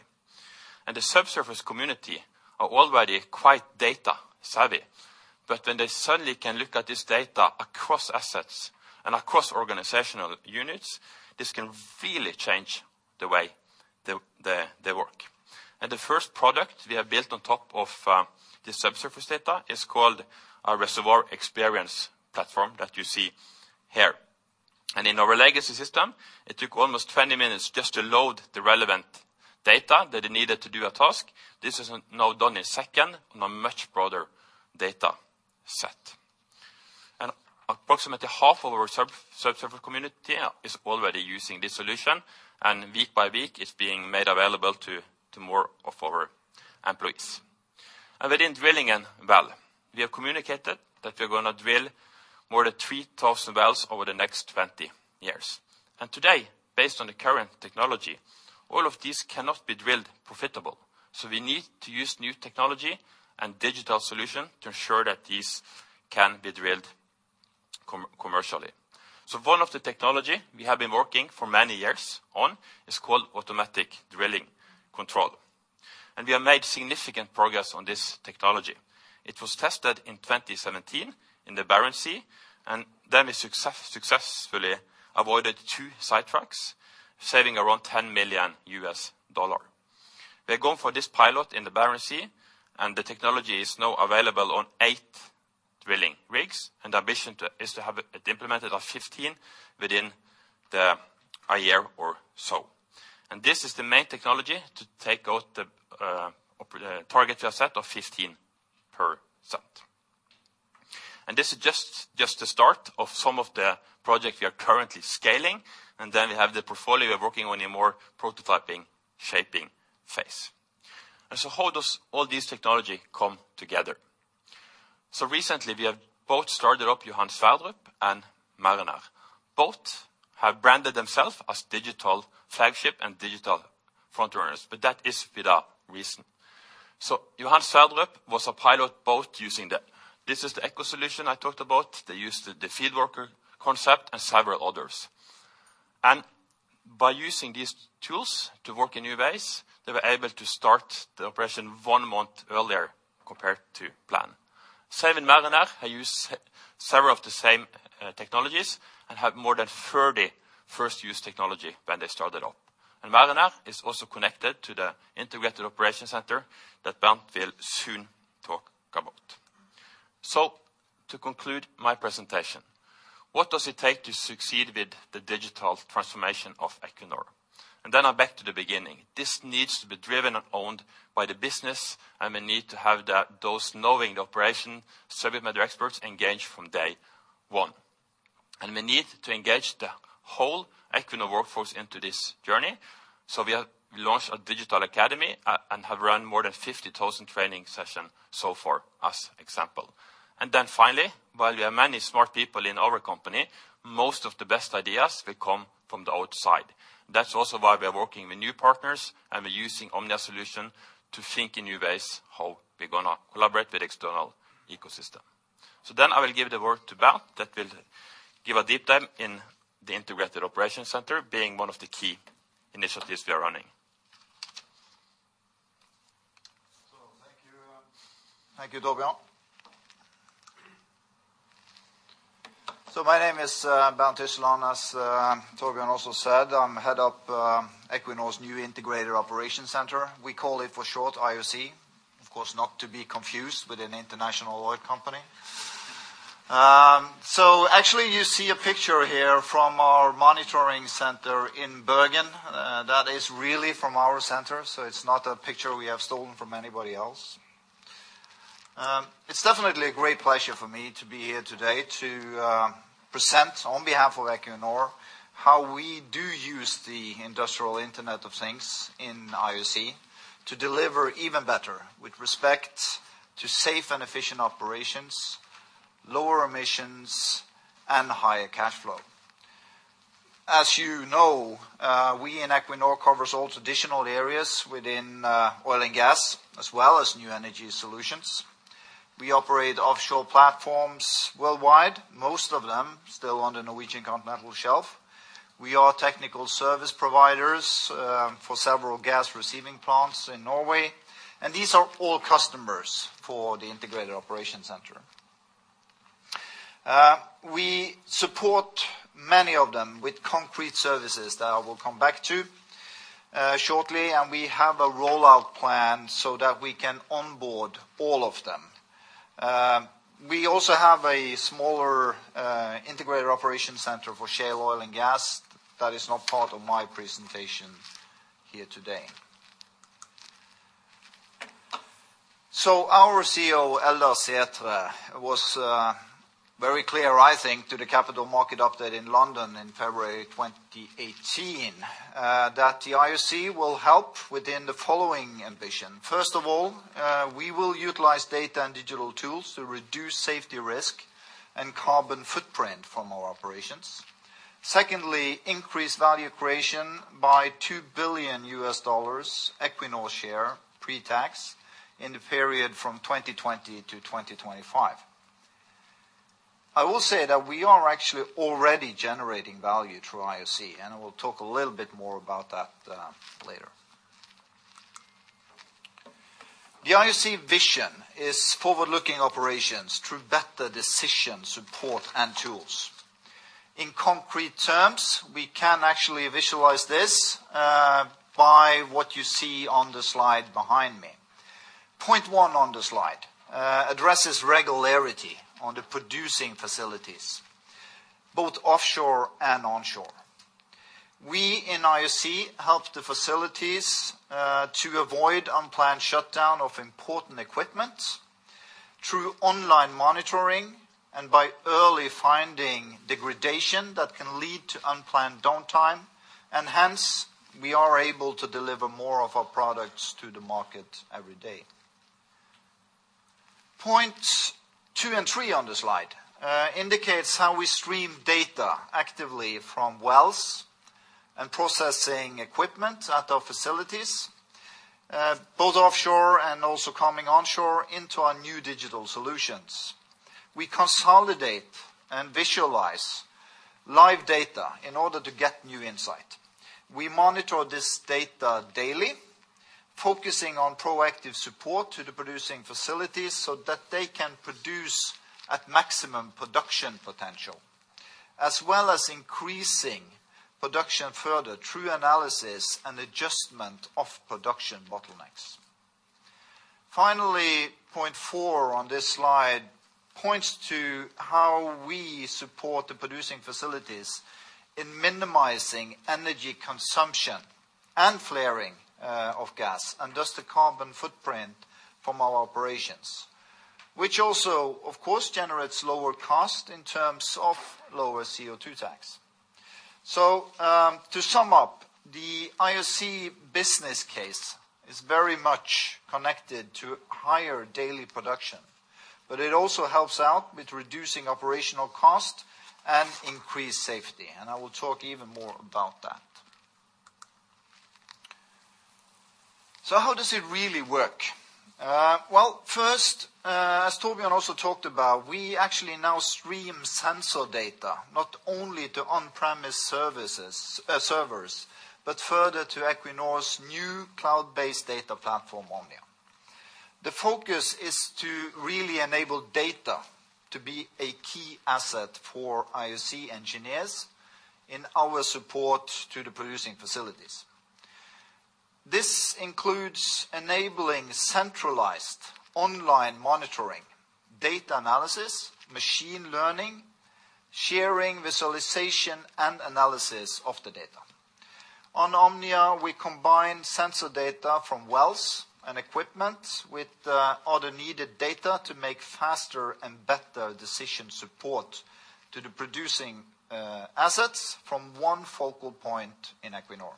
The subsurface community are already quite data savvy. When they suddenly can look at this data across assets and across organizational units, this can really change the way they work. The first product we have built on top of this subsurface data is called our Reservoir Experience Platform that you see here. In our legacy system, it took almost 20 minutes just to load the relevant data that it needed to do a task. This is now done in second on a much broader data set. Approximately half of our subsurface community is already using this solution, and week by week, it's being made available to more of our employees. Within drilling and well, we have communicated that we are going to drill more than 3,000 wells over the next 20 years. Today, based on the current technology, all of these cannot be drilled profitable. We need to use new technology and digital solution to ensure that these can be drilled commercially. One of the technology we have been working for many years on is called automatic drilling control. We have made significant progress on this technology. It was tested in 2017 in the Barents Sea, and then we successfully avoided two sidetracks, saving around $10 million. We are going for this pilot in the Barents Sea, and the technology is now available on eight drilling rigs. Our ambition is to have it implemented on 15 within a year or so. This is the main technology to take out the target we have set of 15%. This is just the start of some of the projects we are currently scaling. We have the portfolio we are working on a more prototyping, shaping phase. How does all this technology come together? Recently we have both started up Johan Sverdrup and Mariner. Both have branded themselves as digital flagship and digital frontrunners, that is without reason. Johan Sverdrup was a pilot both using the-- This is the Echo solution I talked about. They used the field worker concept and several others. By using these tools to work in new ways, they were able to start the operation one month earlier compared to plan. Seven Mariner have used several of the same technologies and have more than 30 first use technology when they started up. Mariner is also connected to the integrated operation center that Bernt will soon talk about. To conclude my presentation, what does it take to succeed with the digital transformation of Equinor? I'm back to the beginning. This needs to be driven and owned by the business, we need to have those knowing the operation, subject matter experts engaged from day one. We need to engage the whole Equinor workforce into this journey. We have launched a digital academy and have run more than 50,000 training sessions so far, as example. Finally, while we have many smart people in our company, most of the best ideas will come from the outside. That's also why we are working with new partners, and we're using Omnia solution to think in new ways how we're going to collaborate with external ecosystem. I will give the word to Bernt that will give a deep dive in the integrated operation center being one of the key initiatives we are running. Thank you. Thank you, Torbjørn. My name is Bernt Tysseland, as Torbjørn also said. I'm head of Equinor's new integrated operation center. We call it for short IOC. Of course, not to be confused with an International Oil Company. Actually you see a picture here from our monitoring center in Bergen. That is really from our center, so it's not a picture we have stolen from anybody else. It's definitely a great pleasure for me to be here today to present on behalf of Equinor how we do use the industrial Internet of Things in IOC to deliver even better with respect to safe and efficient operations, lower emissions, and higher cash flow. As you know, we in Equinor covers all traditional areas within oil and gas, as well as new energy solutions. We operate offshore platforms worldwide. Most of them still on the Norwegian continental shelf. We are technical service providers for several gas receiving plants in Norway, and these are all customers for the integrated operation center. We support many of them with concrete services that I will come back to shortly, and we have a rollout plan so that we can onboard all of them. We also have a smaller integrated operation center for shale oil and gas. That is not part of my presentation here today. Our CEO, Eldar Sætre, was very clear, I think, to the Capital Markets Update in London in February 2018 that the IOC will help within the following ambition. First of all, we will utilize data and digital tools to reduce safety risk and carbon footprint from our operations. Secondly, increase value creation by $2 billion Equinor share pre-tax in the period from 2020 to 2025. I will say that we are actually already generating value through IOC, and I will talk a little bit more about that later. The IOC vision is forward-looking operations through better decision support and tools. In concrete terms, we can actually visualize this by what you see on the slide behind me. Point one on the slide addresses regularity on the producing facilities, both offshore and onshore. We in IOC help the facilities to avoid unplanned shutdown of important equipment through online monitoring and by early finding degradation that can lead to unplanned downtime, and hence we are able to deliver more of our products to the market every day. Points two and three on the slide indicates how we stream data actively from wells and processing equipment at our facilities, both offshore and also coming onshore into our new digital solutions. We consolidate and visualize live data in order to get new insight. We monitor this data daily, focusing on proactive support to the producing facilities so that they can produce at maximum production potential, as well as increasing production further through analysis and adjustment of production bottlenecks. Finally, point four on this slide points to how we support the producing facilities in minimizing energy consumption and flaring of gas, and thus the carbon footprint from our operations, which also, of course, generates lower cost in terms of lower CO2 tax. To sum up, the IOC business case is very much connected to higher daily production, but it also helps out with reducing operational cost and increased safety. I will talk even more about that. How does it really work? Well, first, as Torbjørn also talked about, we actually now stream sensor data not only to on-premise servers, but further to Equinor's new cloud-based data platform, Omnia. The focus is to really enable data to be a key asset for IOC engineers in our support to the producing facilities. This includes enabling centralized online monitoring, data analysis, machine learning, sharing, visualization, and analysis of the data. On Omnia, we combine sensor data from wells and equipment with other needed data to make faster and better decision support to the producing assets from one focal point in Equinor.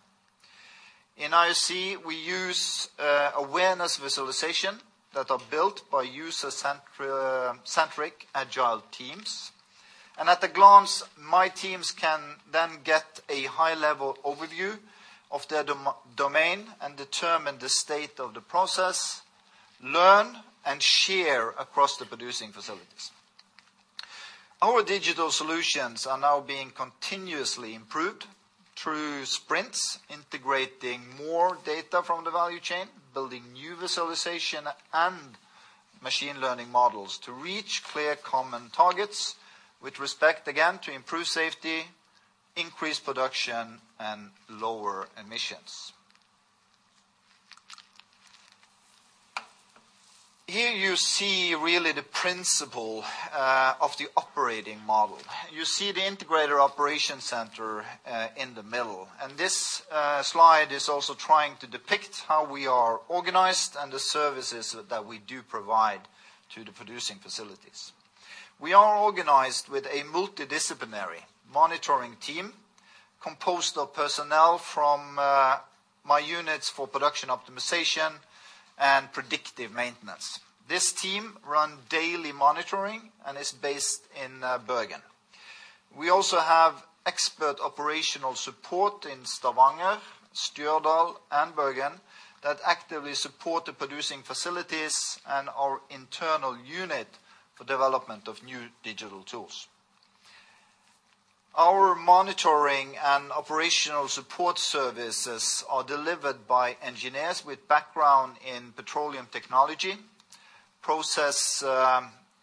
In IOC, we use awareness visualization that are built by user-centric agile teams. At a glance, my teams can then get a high-level overview of their domain and determine the state of the process, learn, and share across the producing facilities. Our digital solutions are now being continuously improved through sprints, integrating more data from the value chain, building new visualization and machine learning models to reach clear common targets with respect, again, to improve safety, increase production, and lower emissions. Here you see really the principle of the operating model. You see the integrated operation center in the middle. This slide is also trying to depict how we are organized and the services that we do provide to the producing facilities. We are organized with a multidisciplinary monitoring team composed of personnel from my units for production optimization and predictive maintenance. This team run daily monitoring and is based in Bergen. We also have expert operational support in Stavanger, Stjørdal, and Bergen that actively support the producing facilities and our internal unit for development of new digital tools. Our monitoring and operational support services are delivered by engineers with background in petroleum technology, process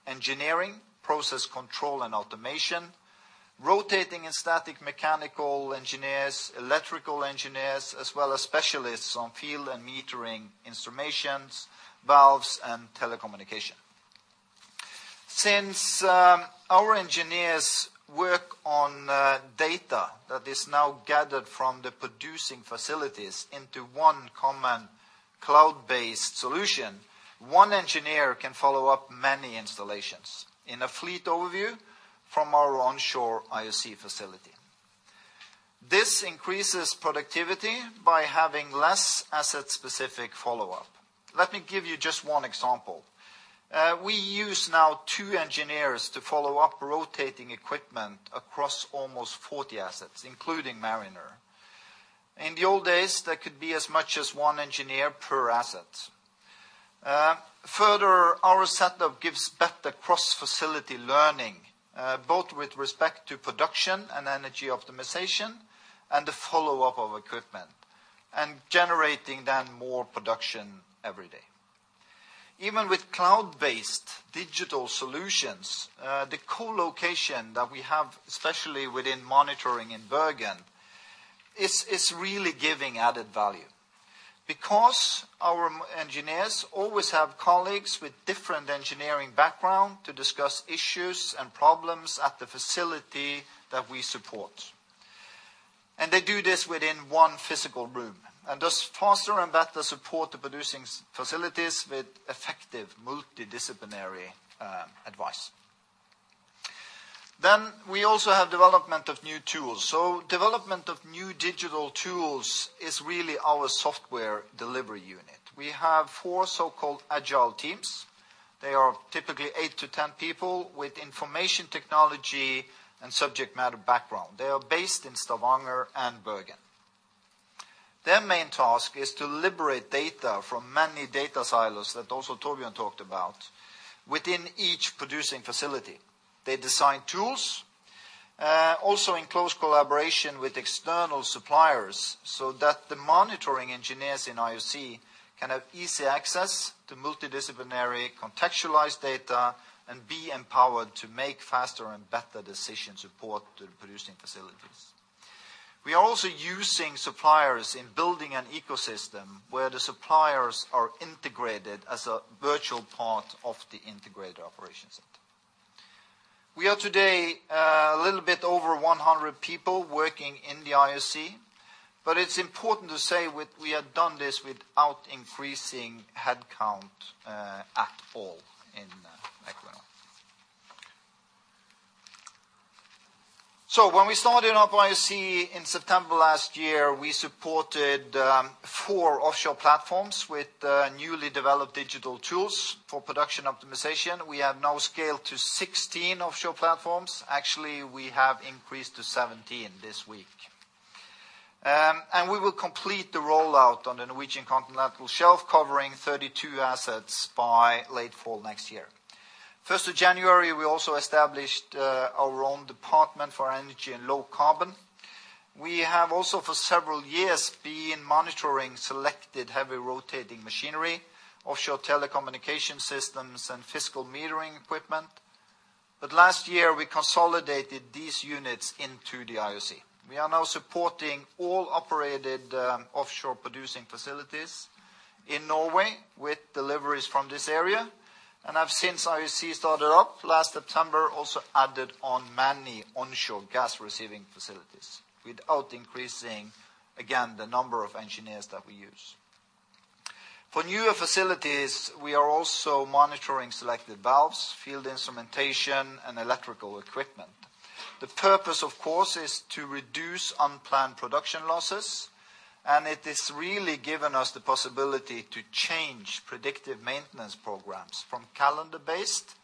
engineering, process control and automation, rotating and static mechanical engineers, electrical engineers, as well as specialists on field and metering instrumentations, valves, and telecommunication. Since our engineers work on data that is now gathered from the producing facilities into one common cloud-based solution, one engineer can follow up many installations in a fleet overview from our onshore IOC facility. This increases productivity by having less asset-specific follow-up. Let me give you just one example. We use now two engineers to follow up rotating equipment across almost 40 assets, including Mariner. In the old days, there could be as much as one engineer per asset. Further, our setup gives better cross-facility learning both with respect to production and energy optimization, and the follow-up of equipment, and generating then more production every day. Even with cloud-based digital solutions, the co-location that we have, especially within monitoring in Bergen, is really giving added value because our engineers always have colleagues with different engineering background to discuss issues and problems at the facility that we support. They do this within one physical room and thus faster and better support the producing facilities with effective multidisciplinary advice. We also have development of new tools. Development of new digital tools is really our software delivery unit. We have four so-called agile teams. They are typically eight to 10 people with information technology and subject matter background. They are based in Stavanger and Bergen. Their main task is to liberate data from many data silos that also Torbjørn talked about within each producing facility. They design tools, also in close collaboration with external suppliers, so that the monitoring engineers in IOC can have easy access to multidisciplinary contextualized data and be empowered to make faster and better decision support to the producing facilities. We are also using suppliers in building an ecosystem where the suppliers are integrated as a virtual part of the integrated operations center. We are today a little bit over 100 people working in the IOC. It's important to say we have done this without increasing headcount at all in Equinor. When we started our IOC in September last year, we supported four offshore platforms with newly developed digital tools for production optimization. We have now scaled to 16 offshore platforms. Actually, we have increased to 17 this week. We will complete the rollout on the Norwegian Continental Shelf covering 32 assets by late fall next year. 1st of January, we also established our own department for energy and low carbon. We have also for several years been monitoring selected heavy rotating machinery, offshore telecommunication systems, and fiscal metering equipment. Last year, we consolidated these units into the IOC. We are now supporting all operated offshore producing facilities in Norway with deliveries from this area, and have since IOC started up last September also added on many onshore gas receiving facilities without increasing, again, the number of engineers that we use. For newer facilities, we are also monitoring selected valves, field instrumentation, and electrical equipment. The purpose, of course, is to reduce unplanned production losses, and it has really given us the possibility to change predictive maintenance programs from calendar-based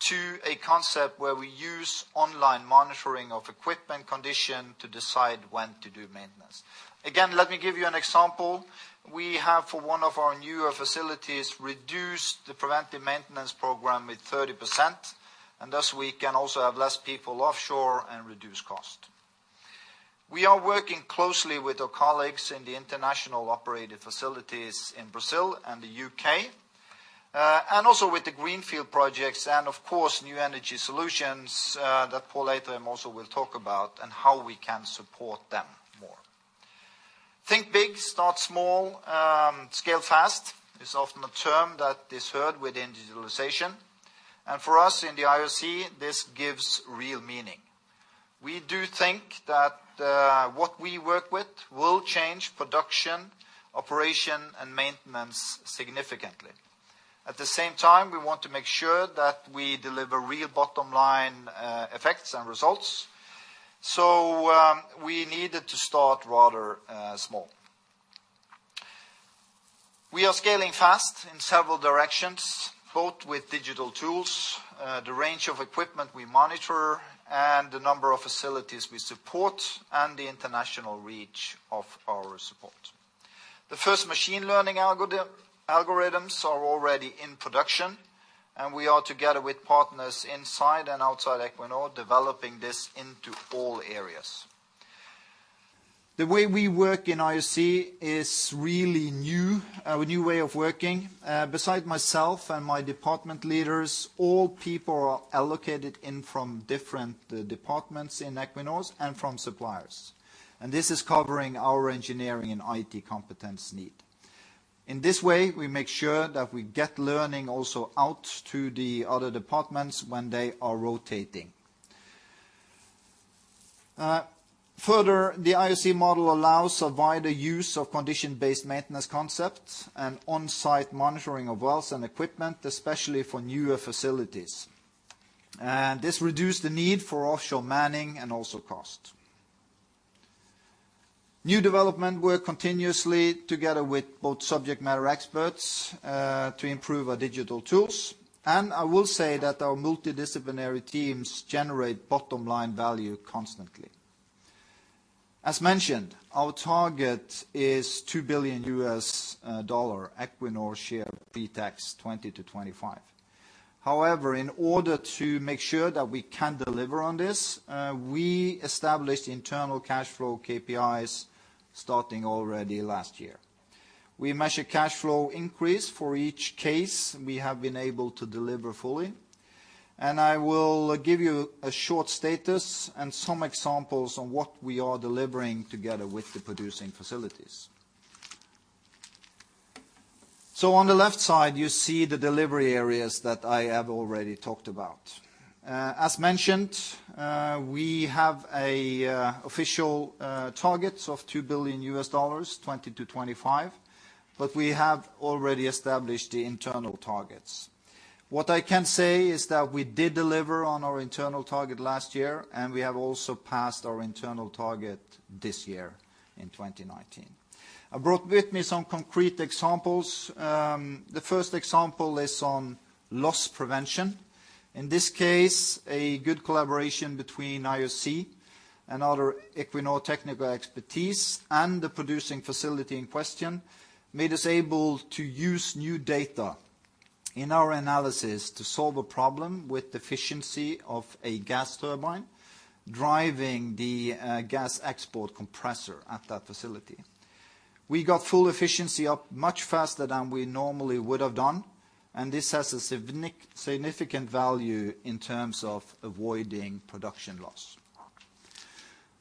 to a concept where we use online monitoring of equipment condition to decide when to do maintenance. Again, let me give you an example. We have for one of our newer facilities reduced the preventive maintenance program with 30%, and thus we can also have less people offshore and reduce cost. We are working closely with our colleagues in the international operated facilities in Brazil and the U.K., and also with the greenfield projects and of course New Energy Solutions that Pål later also will talk about and how we can support them more. Think big, start small, scale fast is often a term that is heard within digitalization. For us in the IOC, this gives real meaning. We do think that what we work with will change production, operation, and maintenance significantly. At the same time, we want to make sure that we deliver real bottom-line effects and results. We needed to start rather small. We are scaling fast in several directions, both with digital tools, the range of equipment we monitor, and the number of facilities we support, and the international reach of our support. The first machine learning algorithms are already in production. We are together with partners inside and outside Equinor developing this into all areas. The way we work in IOC is really new, our new way of working. Besides myself and my department leaders, all people are allocated in from different departments in Equinor and from suppliers. This is covering our engineering and IT competence need. In this way, we make sure that we get learning also out to the other departments when they are rotating. Further, the IOC model allows a wider use of condition-based maintenance concepts and on-site monitoring of wells and equipment, especially for newer facilities. This reduced the need for offshore manning and also cost. New development work continuously together with both subject matter experts to improve our digital tools. I will say that our multidisciplinary teams generate bottom-line value constantly. As mentioned, our target is $2 billion Equinor share pretax 2020 to 2025. However, in order to make sure that we can deliver on this, we established internal cash flow KPIs starting already last year. We measure cash flow increase for each case we have been able to deliver fully, and I will give you a short status and some examples on what we are delivering together with the producing facilities. On the left side, you see the delivery areas that I have already talked about. As mentioned, we have an official target of $2 billion 2020-2025, but we have already established the internal targets. What I can say is that we did deliver on our internal target last year, and we have also passed our internal target this year in 2019. I brought with me some concrete examples. The first example is on loss prevention. In this case, a good collaboration between IOC and other Equinor technical expertise and the producing facility in question made us able to use new data in our analysis to solve a problem with the efficiency of a gas turbine driving the gas export compressor at that facility. We got full efficiency up much faster than we normally would have done, and this has a significant value in terms of avoiding production loss.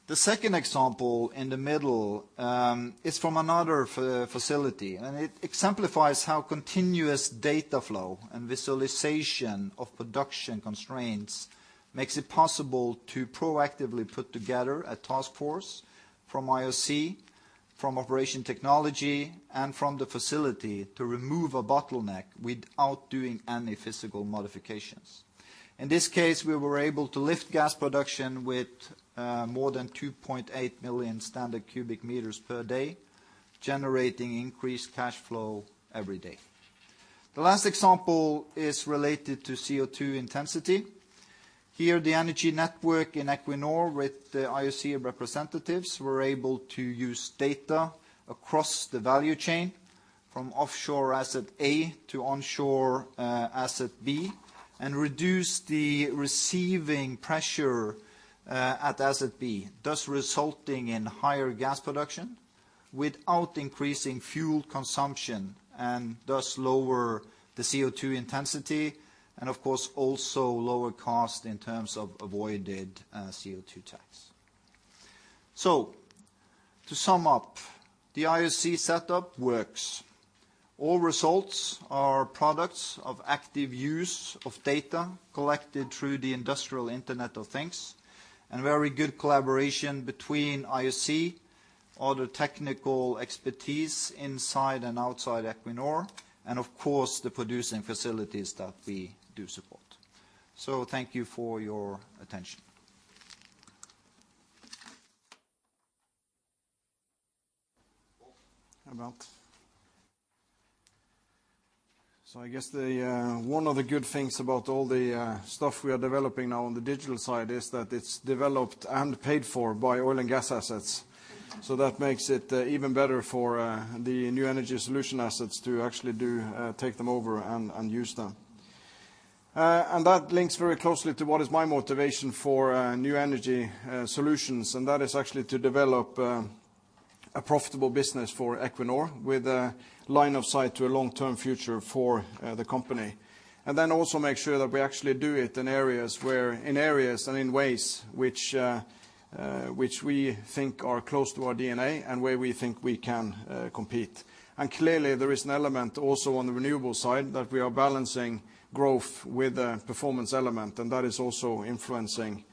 The second example in the middle is from another facility, and it exemplifies how continuous data flow and visualization of production constraints makes it possible to proactively put together a task force from IOC, from operation technology, and from the facility to remove a bottleneck without doing any physical modifications. In this case, we were able to lift gas production with more than 2.8 million standard cubic meters per day, generating increased cash flow every day. The last example is related to CO2 intensity. Here, the energy network in Equinor with the IOC representatives were able to use data across the value chain from offshore asset A to onshore asset B and reduce the receiving pressure at asset B, thus resulting in higher gas production without increasing fuel consumption and thus lower the CO2 intensity and of course, also lower cost in terms of avoided CO2 tax. To sum up, the IOC setup works. All results are products of active use of data collected through the industrial Internet of Things, and very good collaboration between IOC, other technical expertise inside and outside Equinor, and of course, the producing facilities that we do support. Thank you for your attention. I guess one of the good things about all the stuff we are developing now on the digital side is that it's developed and paid for by oil and gas assets. That makes it even better for the New Energy Solutions assets to actually take them over and use them. That links very closely to what is my motivation for New Energy Solutions, and that is actually to develop a profitable business for Equinor with a line of sight to a long-term future for the company. Also make sure that we actually do it in areas and in ways which we think are close to our DNA and where we think we can compete. Clearly, there is an element also on the renewable side that we are balancing growth with a performance element, and that is also influencing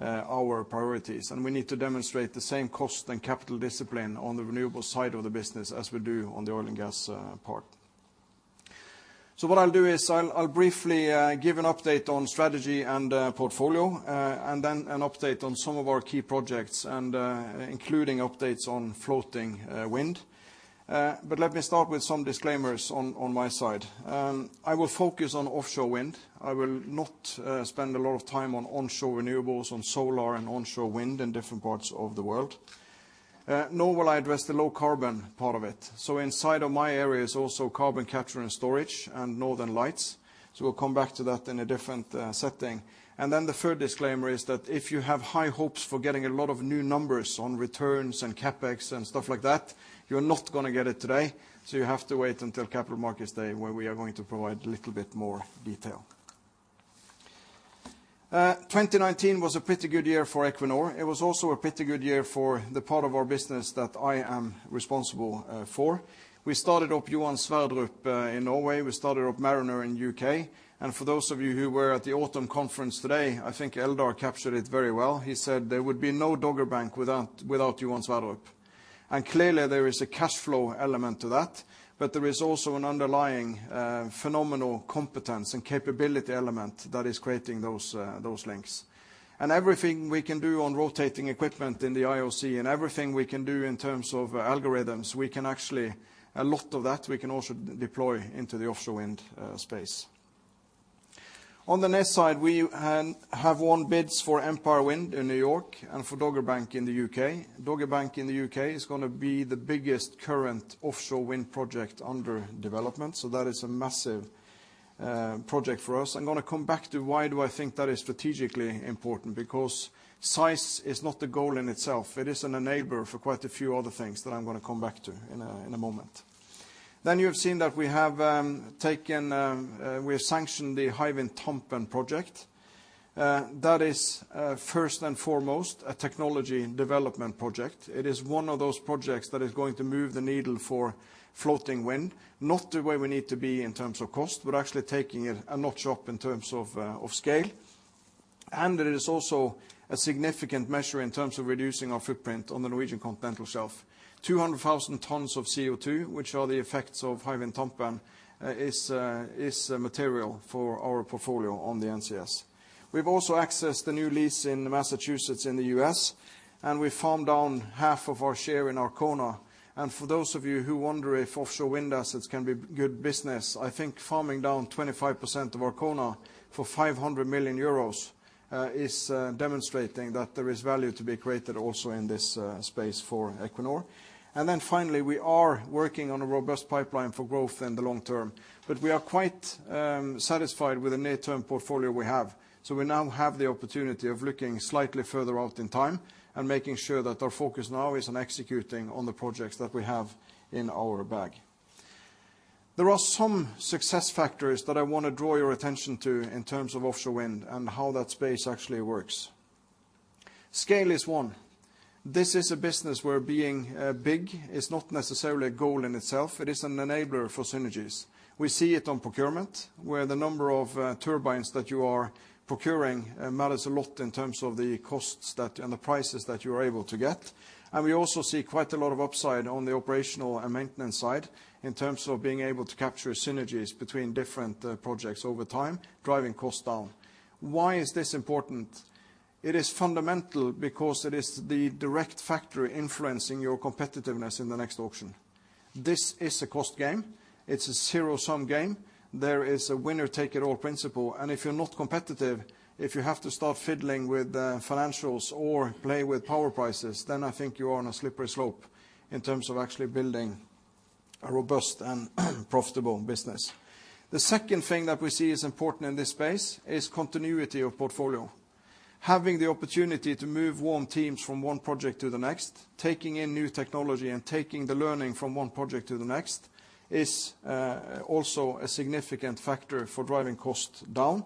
our priorities. We need to demonstrate the same cost and capital discipline on the renewable side of the business as we do on the oil and gas part. What I'll do is I'll briefly give an update on strategy and portfolio, and then an update on some of our key projects and including updates on floating wind. Let me start with some disclaimers on my side. I will focus on offshore wind. I will not spend a lot of time on onshore renewables, on solar and onshore wind in different parts of the world, nor will I address the low carbon part of it. Inside of my area is also carbon capture and storage and Northern Lights. We'll come back to that in a different setting. The third disclaimer is that if you have high hopes for getting a lot of new numbers on returns and CapEx and stuff like that, you're not going to get it today. You have to wait until Capital Markets Day, where we are going to provide a little bit more detail. 2019 was a pretty good year for Equinor. It was also a pretty good year for the part of our business that I am responsible for. We started up Johan Sverdrup in Norway. We started up Mariner in U.K. For those of you who were at the autumn conference today, I think Eldar captured it very well. He said there would be no Dogger Bank without Johan Sverdrup. Clearly, there is a cash flow element to that, but there is also an underlying phenomenal competence and capability element that is creating those links. Everything we can do on rotating equipment in the IOC and everything we can do in terms of algorithms, a lot of that we can also deploy into the offshore wind space. On the next slide, we have won bids for Empire Wind in New York and for Dogger Bank in the U.K. Dogger Bank in the U.K. is going to be the biggest current offshore wind project under development, so that is a massive project for us. I'm going to come back to why do I think that is strategically important, because size is not the goal in itself. It is an enabler for quite a few other things that I'm going to come back to in a moment. You have seen that we have sanctioned the Hywind Tampen project. That is, first and foremost, a technology development project. It is one of those projects that is going to move the needle for floating wind, not the way we need to be in terms of cost, but actually taking it a notch up in terms of scale. It is also a significant measure in terms of reducing our footprint on the Norwegian continental shelf. 200,000 tons of CO2, which are the effects of Hywind Tampen, is material for our portfolio on the NCS. We've also accessed the new lease in Massachusetts in the U.S., and we farmed down half of our share in Arkona. For those of you who wonder if offshore wind assets can be good business, I think farming down 25% of Arkona for 500 million euros is demonstrating that there is value to be created also in this space for Equinor. Finally, we are working on a robust pipeline for growth in the long term. We are quite satisfied with the near-term portfolio we have, so we now have the opportunity of looking slightly further out in time and making sure that our focus now is on executing on the projects that we have in our bag. There are some success factors that I want to draw your attention to in terms of offshore wind and how that space actually works. Scale is one. This is a business where being big is not necessarily a goal in itself. It is an enabler for synergies. We see it on procurement, where the number of turbines that you are procuring matters a lot in terms of the costs and the prices that you are able to get. We also see quite a lot of upside on the operational and maintenance side in terms of being able to capture synergies between different projects over time, driving costs down. Why is this important? It is fundamental because it is the direct factor influencing your competitiveness in the next auction. This is a cost game. It's a zero-sum game. There is a winner-take-all principle, and if you're not competitive, if you have to start fiddling with financials or play with power prices, then I think you are on a slippery slope in terms of actually building a robust and profitable business. The second thing that we see is important in this space is continuity of portfolio. Having the opportunity to move warm teams from one project to the next, taking in new technology and taking the learning from one project to the next, is also a significant factor for driving costs down.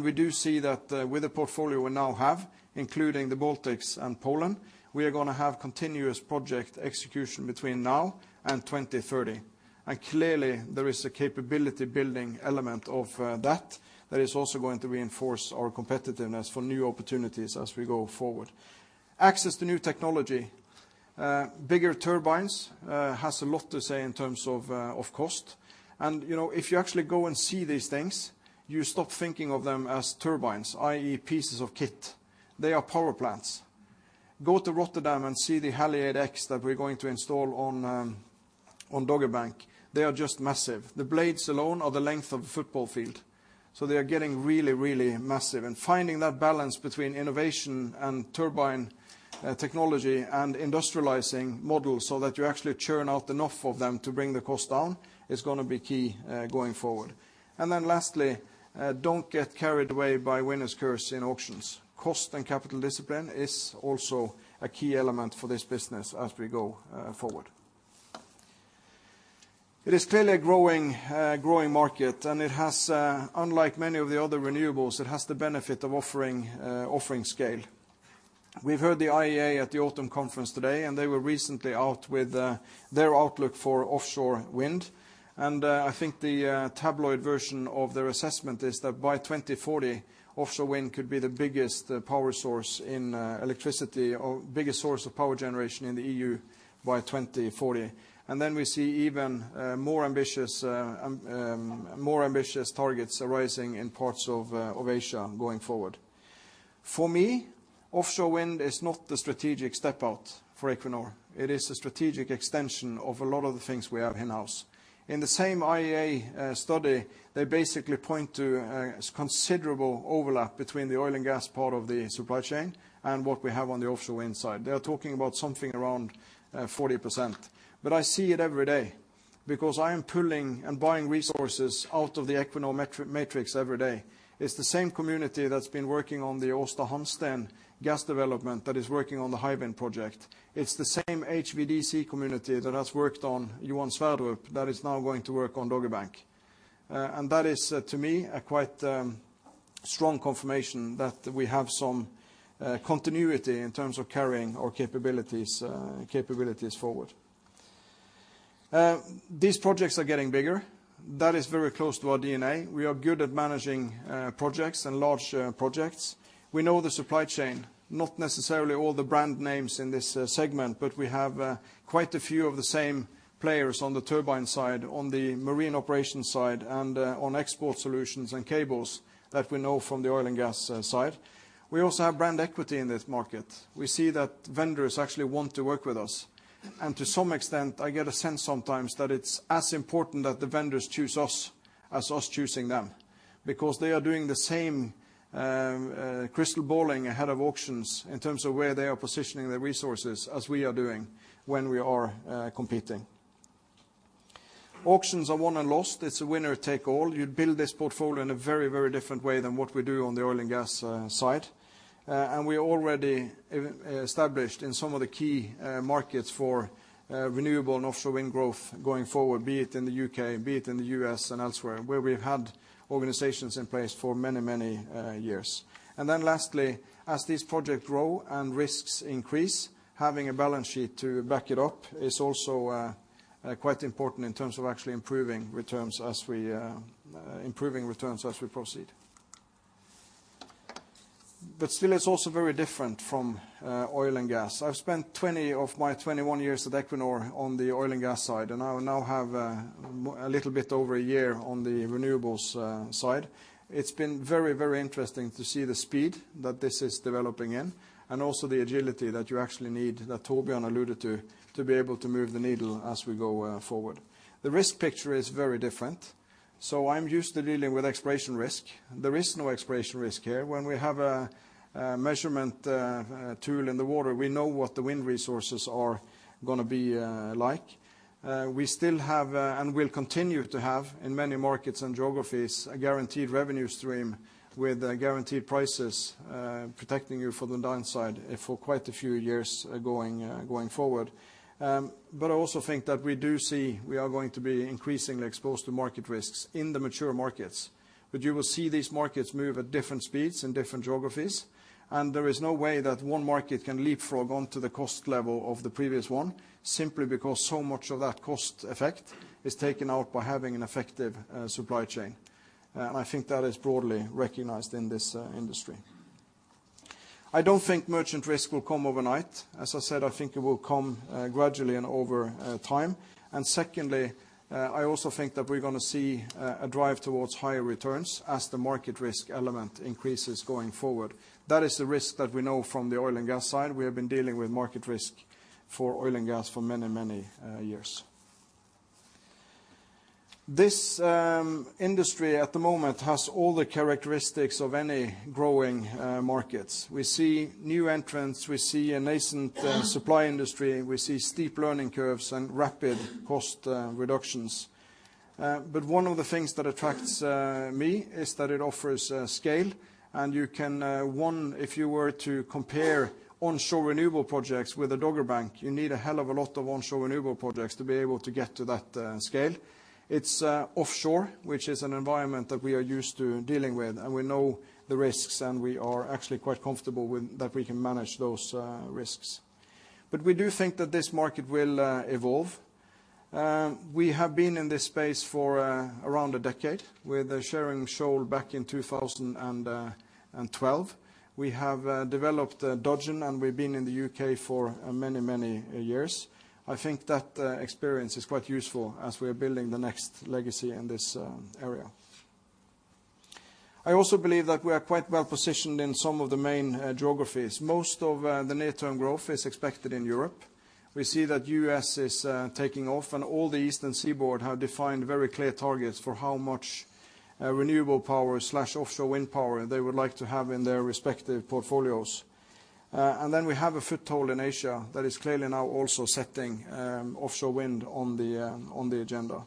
We do see that with the portfolio we now have, including the Baltics and Poland, we are going to have continuous project execution between now and 2030. Clearly there is a capability-building element of that is also going to reinforce our competitiveness for new opportunities as we go forward. Access to new technology. Bigger turbines has a lot to say in terms of cost. If you actually go and see these things, you stop thinking of them as turbines, i.e. pieces of kit. They are power plants. Go to Rotterdam and see the Haliade-X that we're going to install on Dogger Bank. They are just massive. The blades alone are the length of a football field. They are getting really, really massive and finding that balance between innovation and turbine technology and industrializing models so that you actually churn out enough of them to bring the cost down is going to be key going forward. Lastly, don't get carried away by winner's curse in auctions. Cost and capital discipline is also a key element for this business as we go forward. It is clearly a growing market, it has, unlike many of the other renewables, it has the benefit of offering scale. We've heard the IEA at the autumn conference today, they were recently out with their outlook for offshore wind. I think the tabloid version of their assessment is that by 2040, offshore wind could be the biggest power source in electricity or biggest source of power generation in the EU by 2040. We see even more ambitious targets arising in parts of Asia going forward. For me, offshore wind is not the strategic step out for Equinor. It is a strategic extension of a lot of the things we have in-house. In the same IEA study, they basically point to a considerable overlap between the oil and gas part of the supply chain and what we have on the offshore wind side. They are talking about something around 40%, but I see it every day because I am pulling and buying resources out of the Equinor matrix every day. It's the same community that's been working on the Aasta Hansteen gas development that is working on the Hywind project. It's the same HVDC community that has worked on Johan Sverdrup that is now going to work on Dogger Bank. That is, to me, a quite strong confirmation that we have some continuity in terms of carrying our capabilities forward. These projects are getting bigger. That is very close to our DNA. We are good at managing projects and large projects. We know the supply chain, not necessarily all the brand names in this segment, but we have quite a few of the same players on the turbine side, on the marine operations side, and on export solutions and cables that we know from the oil and gas side. We also have brand equity in this market. We see that vendors actually want to work with us. To some extent, I get a sense sometimes that it's as important that the vendors choose us as us choosing them. Because they are doing the same crystal balling ahead of auctions in terms of where they are positioning their resources as we are doing when we are competing. Auctions are won and lost. It's a winner take all. You'd build this portfolio in a very different way than what we do on the oil and gas side. We already established in some of the key markets for renewable and offshore wind growth going forward, be it in the U.K., be it in the U.S. and elsewhere, where we've had organizations in place for many years. Lastly, as these projects grow and risks increase, having a balance sheet to back it up is also quite important in terms of actually improving returns as we proceed. Still, it's also very different from oil and gas. I've spent 20 of my 21 years at Equinor on the oil and gas side, and I now have a little bit over a year on the renewables side. It's been very interesting to see the speed that this is developing in, and also the agility that you actually need, that Torbjørn alluded to be able to move the needle as we go forward. The risk picture is very different. I'm used to dealing with exploration risk. There is no exploration risk here. When we have a measurement tool in the water, we know what the wind resources are going to be like. We still have, and will continue to have in many markets and geographies, a guaranteed revenue stream with guaranteed prices, protecting you from the downside for quite a few years going forward. I also think that we do see we are going to be increasingly exposed to market risks in the mature markets. You will see these markets move at different speeds in different geographies, and there is no way that one market can leapfrog onto the cost level of the previous one, simply because so much of that cost effect is taken out by having an effective supply chain. I think that is broadly recognized in this industry. I don't think merchant risk will come overnight. As I said, I think it will come gradually and over time. Secondly, I also think that we're going to see a drive towards higher returns as the market risk element increases going forward. That is the risk that we know from the oil and gas side. We have been dealing with market risk for oil and gas for many years. This industry at the moment has all the characteristics of any growing markets. We see new entrants, we see a nascent supply industry, we see steep learning curves and rapid cost reductions. One of the things that attracts me is that it offers scale, and you can one, if you were to compare onshore renewable projects with the Dogger Bank, you need a hell of a lot of onshore renewable projects to be able to get to that scale. It's offshore, which is an environment that we are used to dealing with, and we know the risks and we are actually quite comfortable that we can manage those risks. We do think that this market will evolve. We have been in this space for around a decade with Sheringham Shoal back in 2012. We have developed Dudgeon and we've been in the U.K. for many years. I think that experience is quite useful as we are building the next legacy in this area. I also believe that we are quite well-positioned in some of the main geographies. Most of the near-term growth is expected in Europe. We see that U.S. is taking off and all the Eastern Seaboard have defined very clear targets for how much renewable power/offshore wind power they would like to have in their respective portfolios. Then we have a foothold in Asia that is clearly now also setting offshore wind on the agenda.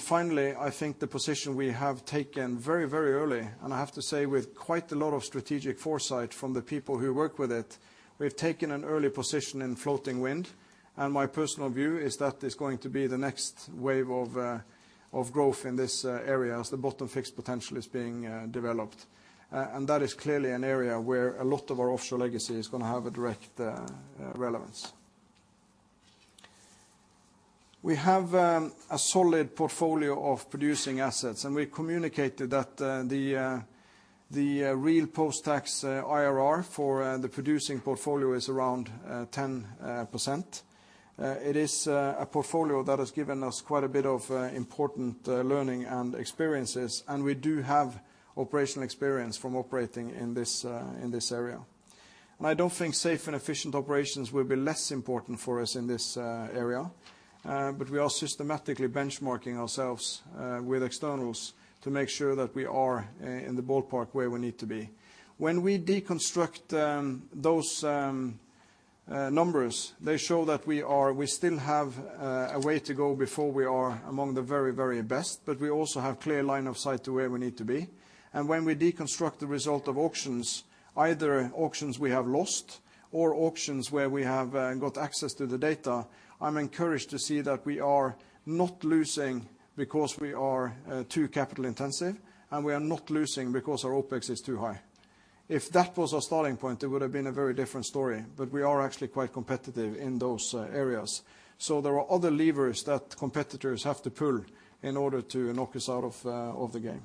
Finally, I think the position we have taken very early, and I have to say with quite a lot of strategic foresight from the people who work with it, we've taken an early position in floating wind. My personal view is that it's going to be the next wave of growth in this area as the bottom fixed potential is being developed. That is clearly an area where a lot of our offshore legacy is going to have a direct relevance. We have a solid portfolio of producing assets, and we communicated that the real post-tax IRR for the producing portfolio is around 10%. It is a portfolio that has given us quite a bit of important learning and experiences, and we do have operational experience from operating in this area. I don't think safe and efficient operations will be less important for us in this area. We are systematically benchmarking ourselves with externals to make sure that we are in the ballpark where we need to be. When we deconstruct those numbers, they show that we still have a way to go before we are among the very best, but we also have clear line of sight to where we need to be. When we deconstruct the result of auctions, either auctions we have lost or auctions where we have got access to the data, I'm encouraged to see that we are not losing because we are too capital intensive, and we are not losing because our OpEx is too high. If that was our starting point, it would have been a very different story, but we are actually quite competitive in those areas. There are other levers that competitors have to pull in order to knock us out of the game.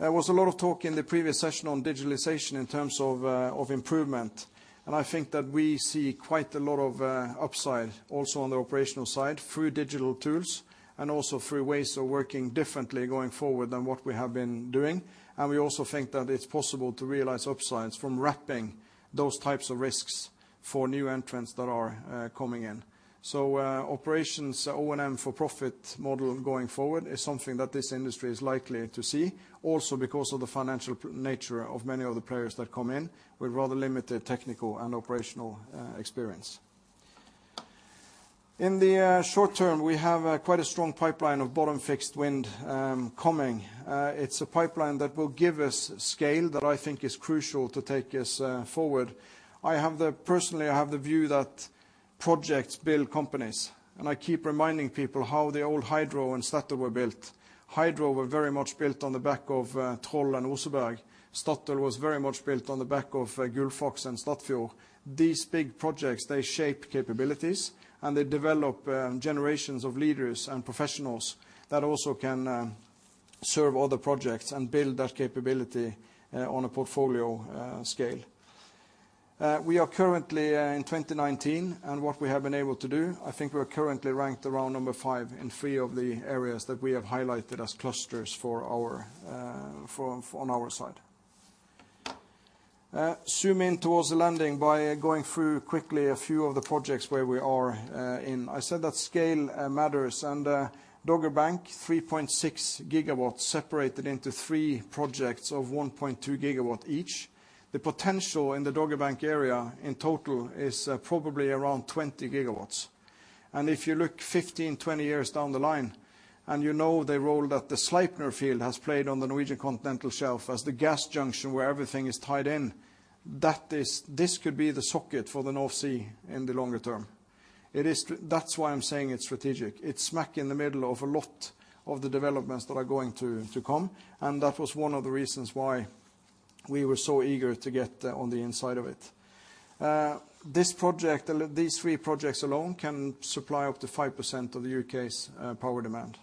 There was a lot of talk in the previous session on digitalization in terms of improvement, and I think that we see quite a lot of upside also on the operational side through digital tools and also through ways of working differently going forward than what we have been doing. We also think that it's possible to realize upsides from wrapping those types of risks for new entrants that are coming in. Operations O&M for-profit model going forward is something that this industry is likely to see. Because of the financial nature of many of the players that come in with rather limited technical and operational experience. In the short term, we have quite a strong pipeline of bottom fixed wind coming. It's a pipeline that will give us scale that I think is crucial to take us forward. Personally, I have the view that projects build companies, and I keep reminding people how the old Hydro and Statoil were built. Hydro were very much built on the back of Troll and Oseberg. Statoil was very much built on the back of Gullfaks and Statfjord. These big projects, they shape capabilities, and they develop generations of leaders and professionals that also can serve other projects and build that capability on a portfolio scale. We are currently in 2019, and what we have been able to do, I think we're currently ranked around number 5 in three of the areas that we have highlighted as clusters on our side. Zoom in towards the landing by going through quickly a few of the projects where we are in. I said that scale matters and Dogger Bank 3.6 gigawatts separated into three projects of 1.2 gigawatt each. The potential in the Dogger Bank area in total is probably around 20 gigawatts. If you look 15, 20 years down the line, and you know the role that the Sleipner field has played on the Norwegian continental shelf as the gas junction where everything is tied in, this could be the socket for the North Sea in the longer term. That's why I'm saying it's strategic. It's smack in the middle of a lot of the developments that are going to come, and that was one of the reasons why we were so eager to get on the inside of it. These three projects alone can supply up to 5% of the U.K.'s power demand.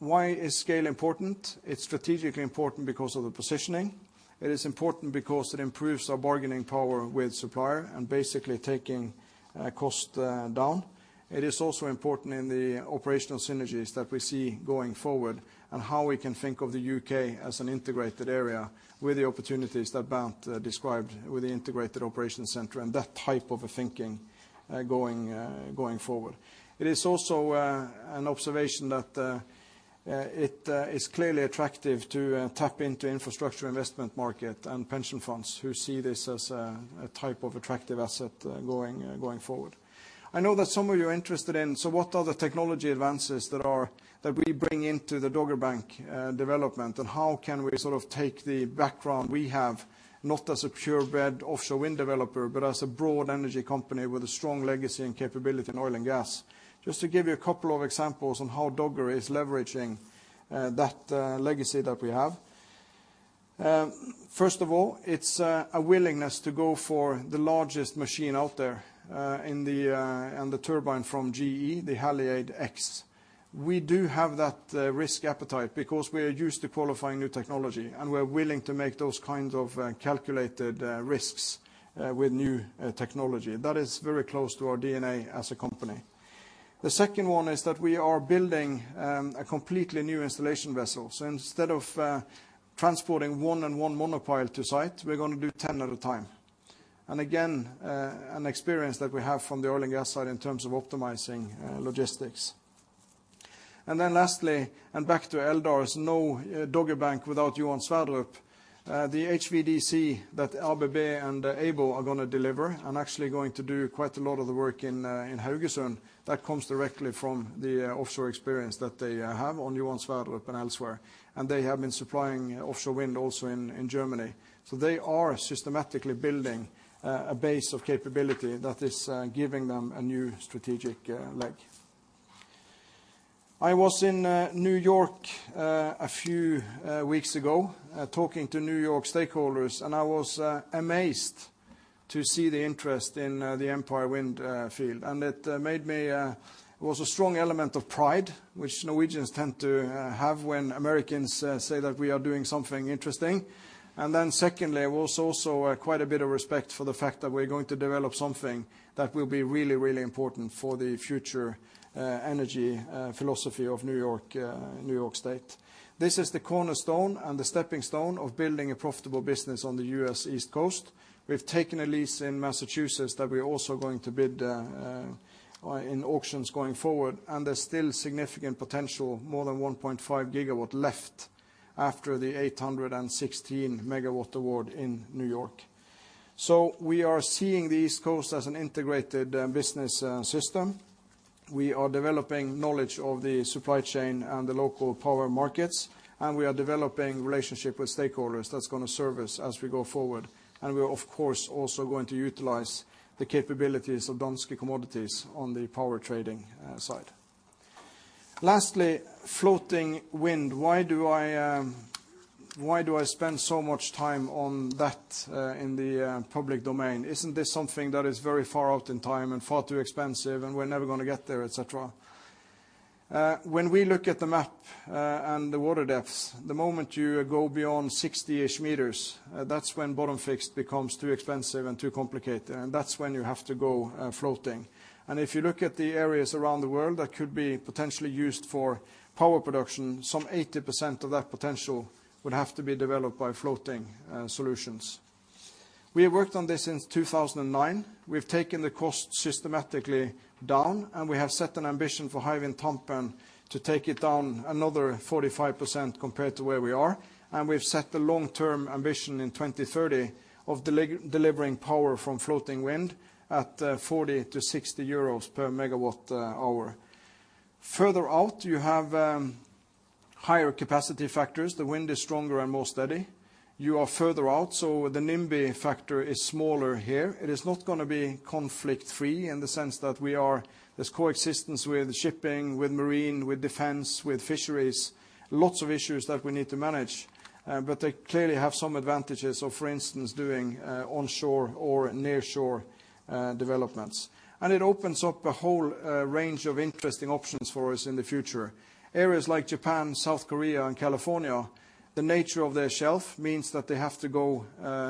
Why is scale important? It's strategically important because of the positioning. It is important because it improves our bargaining power with supplier and basically taking cost down. It is also important in the operational synergies that we see going forward and how we can think of the U.K. as an integrated area with the opportunities that Bernt described with the integrated operation center and that type of a thinking going forward. It is also an observation that it is clearly attractive to tap into infrastructure investment market and pension funds who see this as a type of attractive asset going forward. I know that some of you are interested in what are the technology advances that we bring into the Dogger Bank development and how can we take the background we have, not as a pure-bred offshore wind developer, but as a broad energy company with a strong legacy and capability in oil and gas? Just to give you a couple of examples on how Dogger is leveraging that legacy that we have. First of all, it's a willingness to go for the largest machine out there and the turbine from GE, the Haliade-X. We do have that risk appetite because we are used to qualifying new technology, and we're willing to make those kinds of calculated risks with new technology. That is very close to our DNA as a company. The second one is that we are building a completely new installation vessel. Instead of transporting one and one monopile to site, we're going to do 10 at a time. Again, an experience that we have from the oil and gas side in terms of optimizing logistics. Lastly, and back to Eldar's no Dogger Bank without Johan Sverdrup. The HVDC that Aibel and ABB are going to deliver and actually going to do quite a lot of the work in Haugesund, that comes directly from the offshore experience that they have on Johan Sverdrup and elsewhere. They have been supplying offshore wind also in Germany. They are systematically building a base of capability that is giving them a new strategic leg. I was in New York a few weeks ago talking to New York stakeholders, and I was amazed to see the interest in the Empire Wind field. It was a strong element of pride, which Norwegians tend to have when Americans say that we are doing something interesting. Secondly, it was also quite a bit of respect for the fact that we're going to develop something that will be really important for the future energy philosophy of New York State. This is the cornerstone and the stepping stone of building a profitable business on the U.S. East Coast. We've taken a lease in Massachusetts that we're also going to bid in auctions going forward, and there's still significant potential, more than 1.5 GW left after the 816 MW award in N.Y. We are seeing the East Coast as an integrated business system. We are developing knowledge of the supply chain and the local power markets, and we are developing relationship with stakeholders that's going to serve us as we go forward. We're of course also going to utilize the capabilities of Danske Commodities on the power trading side. Lastly, floating wind. Why do I spend so much time on that in the public domain? Isn't this something that is very far out in time and far too expensive and we're never going to get there, et cetera? When we look at the map and the water depths, the moment you go beyond 60-ish meters, that's when bottom fixed becomes too expensive and too complicated, and that's when you have to go floating. If you look at the areas around the world that could be potentially used for power production, some 80% of that potential would have to be developed by floating solutions. We have worked on this since 2009. We've taken the cost systematically down, and we have set an ambition for Hywind Tampen to take it down another 45% compared to where we are. We've set the long-term ambition in 2030 of delivering power from floating wind at 40-60 euros per megawatt hour. Further out, you have higher capacity factors. The wind is stronger and more steady. You are further out, so the NIMBY factor is smaller here. It is not going to be conflict-free in the sense that we are this coexistence with shipping, with marine, with defense, with fisheries, lots of issues that we need to manage. They clearly have some advantages of, for instance, doing onshore or nearshore developments. It opens up a whole range of interesting options for us in the future. Areas like Japan, South Korea, and California, the nature of their shelf means that they have to go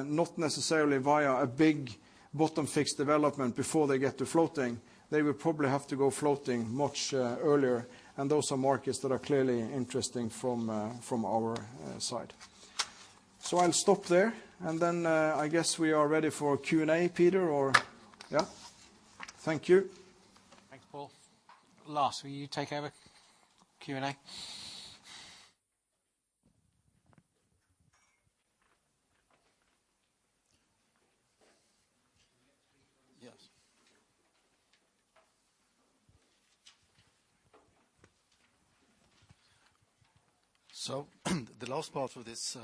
not necessarily via a big bottom fixed development before they get to floating. They will probably have to go floating much earlier, and those are markets that are clearly interesting from our side. I'll stop there. I guess we are ready for Q&A, Peter, or Yeah. Thank you. Thanks, Pål. Lars, will you take over Q&A? Yes. The last part of this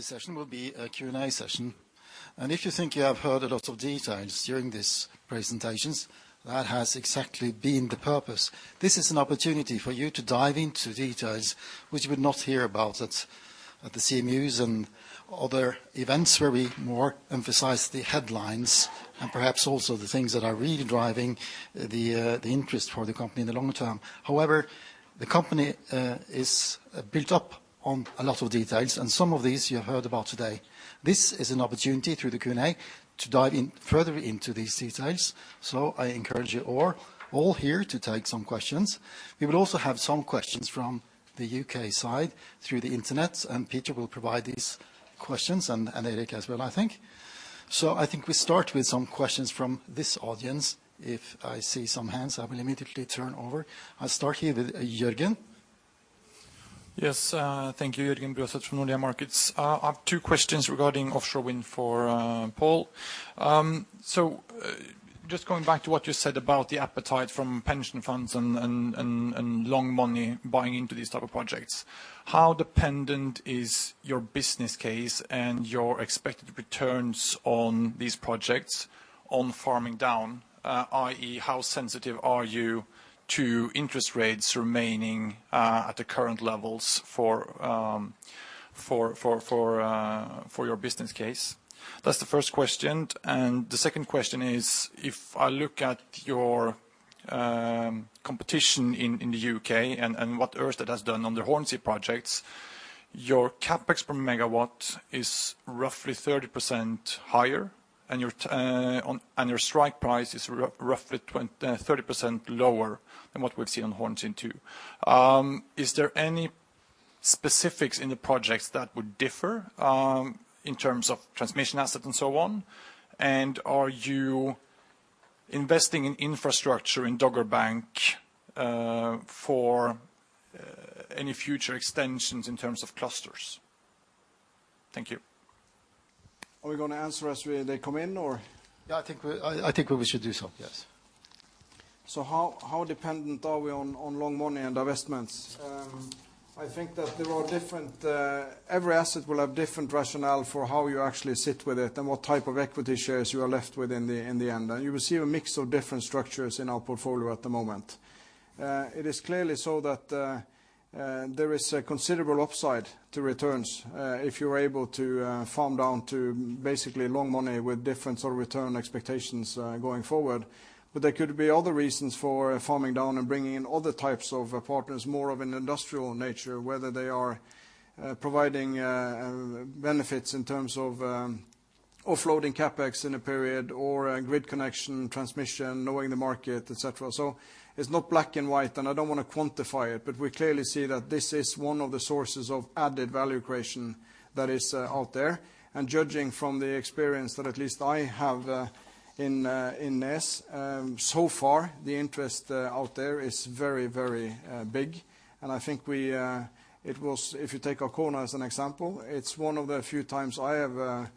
session will be a Q&A session. If you think you have heard a lot of details during these presentations, that has exactly been the purpose. This is an opportunity for you to dive into details which you would not hear about at the CMUs and other events where we more emphasize the headlines and perhaps also the things that are really driving the interest for the company in the long term. However, the company is built up on a lot of details, and some of these you have heard about today. This is an opportunity, through the Q&A, to dive further into these details. I encourage you all here to take some questions. We will also have some questions from the U.K. side through the internet. Peter will provide these questions. Eric as well, I think. I think we start with some questions from this audience. If I see some hands, I will immediately turn over. I'll start here with Jørgen. Yes. Thank you. Jørgen Bruaset from Nordea Markets. I have two questions regarding offshore wind for Paul. Just going back to what you said about the appetite from pension funds and long money buying into these type of projects, how dependent is your business case and your expected returns on these projects on farming down, i.e., how sensitive are you to interest rates remaining at the current levels for your business case? That's the first question. The second question is, if I look at your competition in the U.K. and what Ørsted has done on their Hornsea projects, your CapEx per megawatt is roughly 30% higher, and your strike price is roughly 30% lower than what we've seen on Hornsea 2. Is there any specifics in the projects that would differ in terms of transmission assets and so on? Are you investing in infrastructure in Dogger Bank for any future extensions in terms of clusters? Thank you. Are we going to answer as they come in or? Yeah, I think we should do so, yes. How dependent are we on long money and investments? I think that every asset will have different rationale for how you actually sit with it and what type of equity shares you are left with in the end. You will see a mix of different structures in our portfolio at the moment. It is clearly so that there is a considerable upside to returns if you're able to farm down to basically long money with different sort of return expectations going forward. There could be other reasons for farming down and bringing in other types of partners, more of an industrial nature, whether they are providing benefits in terms of offloading CapEx in a period or grid connection, transmission, knowing the market, et cetera. It's not black and white, and I don't want to quantify it, but we clearly see that this is one of the sources of added value creation that is out there. Judging from the experience that at least I have in this, so far, the interest out there is very big. I think if you take Arkona as an example, it's one of the few times I have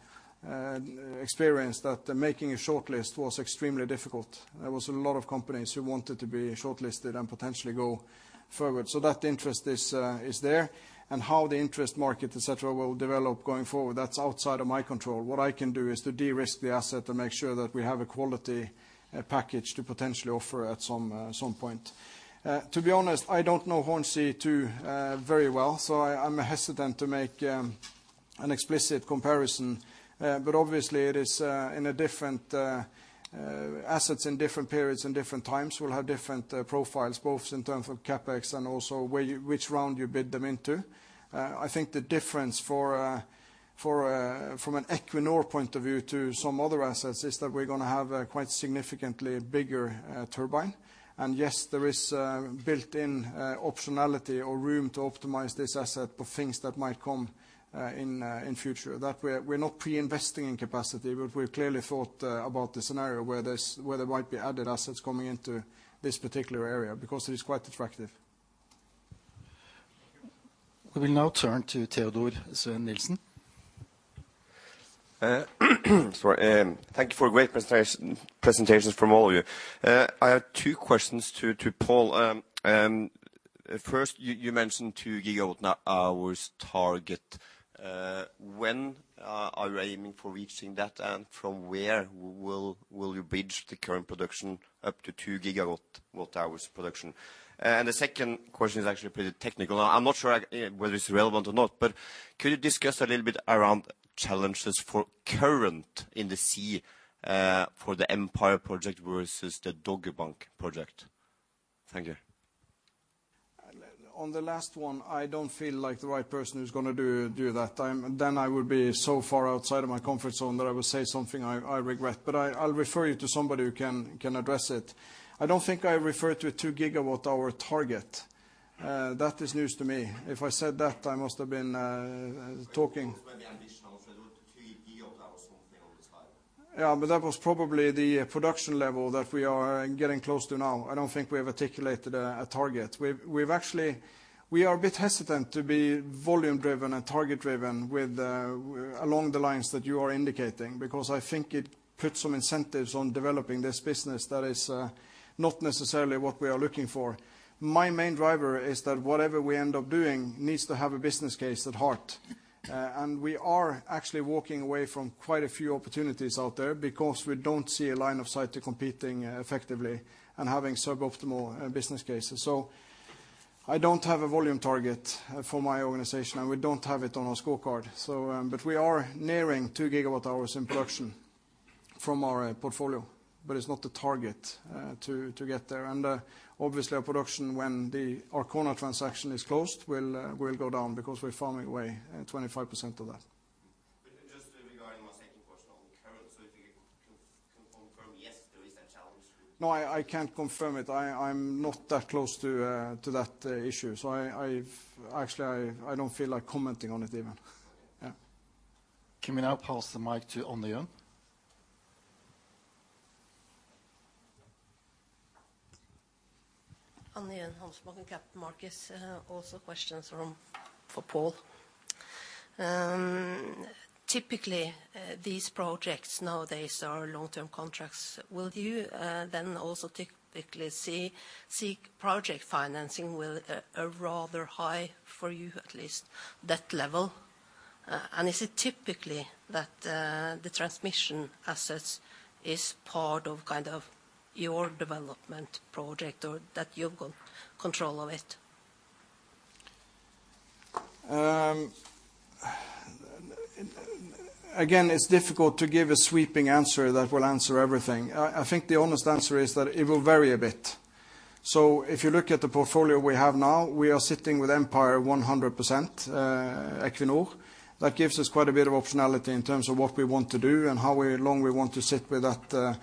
experienced that making a shortlist was extremely difficult. There was a lot of companies who wanted to be shortlisted and potentially go forward. That interest is there. How the interest market, et cetera, will develop going forward, that's outside of my control. What I can do is to de-risk the asset and make sure that we have a quality package to potentially offer at some point. To be honest, I don't know Hornsea 2 very well, so I'm hesitant to make an explicit comparison. Obviously, assets in different periods and different times will have different profiles, both in terms of CapEx and also which round you bid them into. I think the difference from an Equinor point of view to some other assets is that we're going to have a quite significantly bigger turbine. Yes, there is built-in optionality or room to optimize this asset for things that might come in future. We're not pre-investing in capacity, but we've clearly thought about the scenario where there might be added assets coming into this particular area because it is quite attractive We will now turn to Teodor Sveen-Nilsen. Sorry. Thank you for a great presentations from all of you. I have two questions to Pål. First, you mentioned two gigawatt hours target. When are you aiming for reaching that, and from where will you bridge the current production up to two gigawatt hours production? The second question is actually pretty technical. I'm not sure whether it's relevant or not, but could you discuss a little bit around challenges for current in the sea, for the Empire project versus the Dogger Bank project? Thank you. On the last one, I don't feel like the right person who's going to do that. I would be so far outside of my comfort zone that I will say something I regret. I'll refer you to somebody who can address it. I don't think I referred to a two gigawatt hour target. That is news to me. If I said that, I must have been talking. It was maybe additional, so it was two gigawatt hours, something on the side. That was probably the production level that we are getting close to now. I don't think we have articulated a target. We are a bit hesitant to be volume driven and target driven along the lines that you are indicating, because I think it puts some incentives on developing this business that is not necessarily what we are looking for. My main driver is that whatever we end up doing needs to have a business case at heart. We are actually walking away from quite a few opportunities out there because we don't see a line of sight to competing effectively and having sub-optimal business cases. I don't have a volume target for my organization, and we don't have it on our scorecard. We are nearing 2 gigawatt hours in production from our portfolio, but it's not the target to get there. Obviously our production when our Arkona transaction is closed will go down because we're farming away 25% of that. Just regarding my second question on current, if you can confirm, yes, there is a challenge? No, I can't confirm it. I'm not that close to that issue. Actually I don't feel like commenting on it even. Yeah. Can we now pass the mic to Anne-Johun? Anne-Johun Hansmo from Capital Markets. Also questions for Pål. Typically, these projects nowadays are long-term contracts. Will you then also typically seek project financing with a rather high, for you at least, debt level? Is it typically that the transmission assets is part of your development project or that you've got control of it? Again, it's difficult to give a sweeping answer that will answer everything. I think the honest answer is that it will vary a bit. If you look at the portfolio we have now, we are sitting with Empire 100%, Equinor. That gives us quite a bit of optionality in terms of what we want to do and how long we want to sit with that.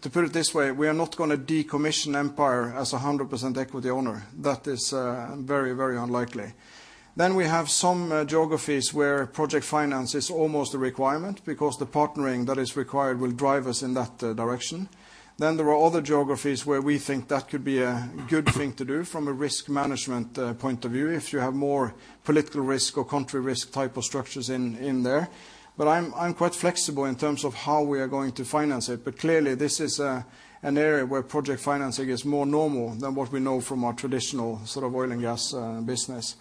To put it this way, we are not going to decommission Empire as 100% equity owner. That is very unlikely. We have some geographies where project finance is almost a requirement, because the partnering that is required will drive us in that direction. There are other geographies where we think that could be a good thing to do from a risk management point of view, if you have more political risk or country risk type of structures in there. I'm quite flexible in terms of how we are going to finance it. Clearly this is an area where project financing is more normal than what we know from our traditional sort of oil and gas business.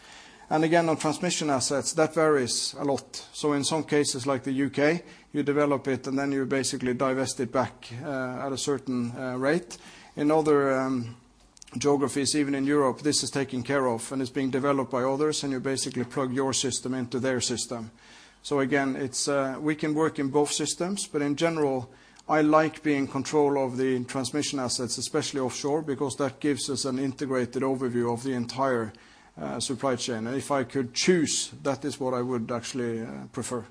Again, on transmission assets, that varies a lot. In some cases like the U.K., you develop it and then you basically divest it back at a certain rate. In other geographies, even in Europe, this is taken care of and it's being developed by others, and you basically plug your system into their system. Again, we can work in both systems. In general, I like being in control of the transmission assets, especially offshore, because that gives us an integrated overview of the entire supply chain. If I could choose, that is what I would actually prefer.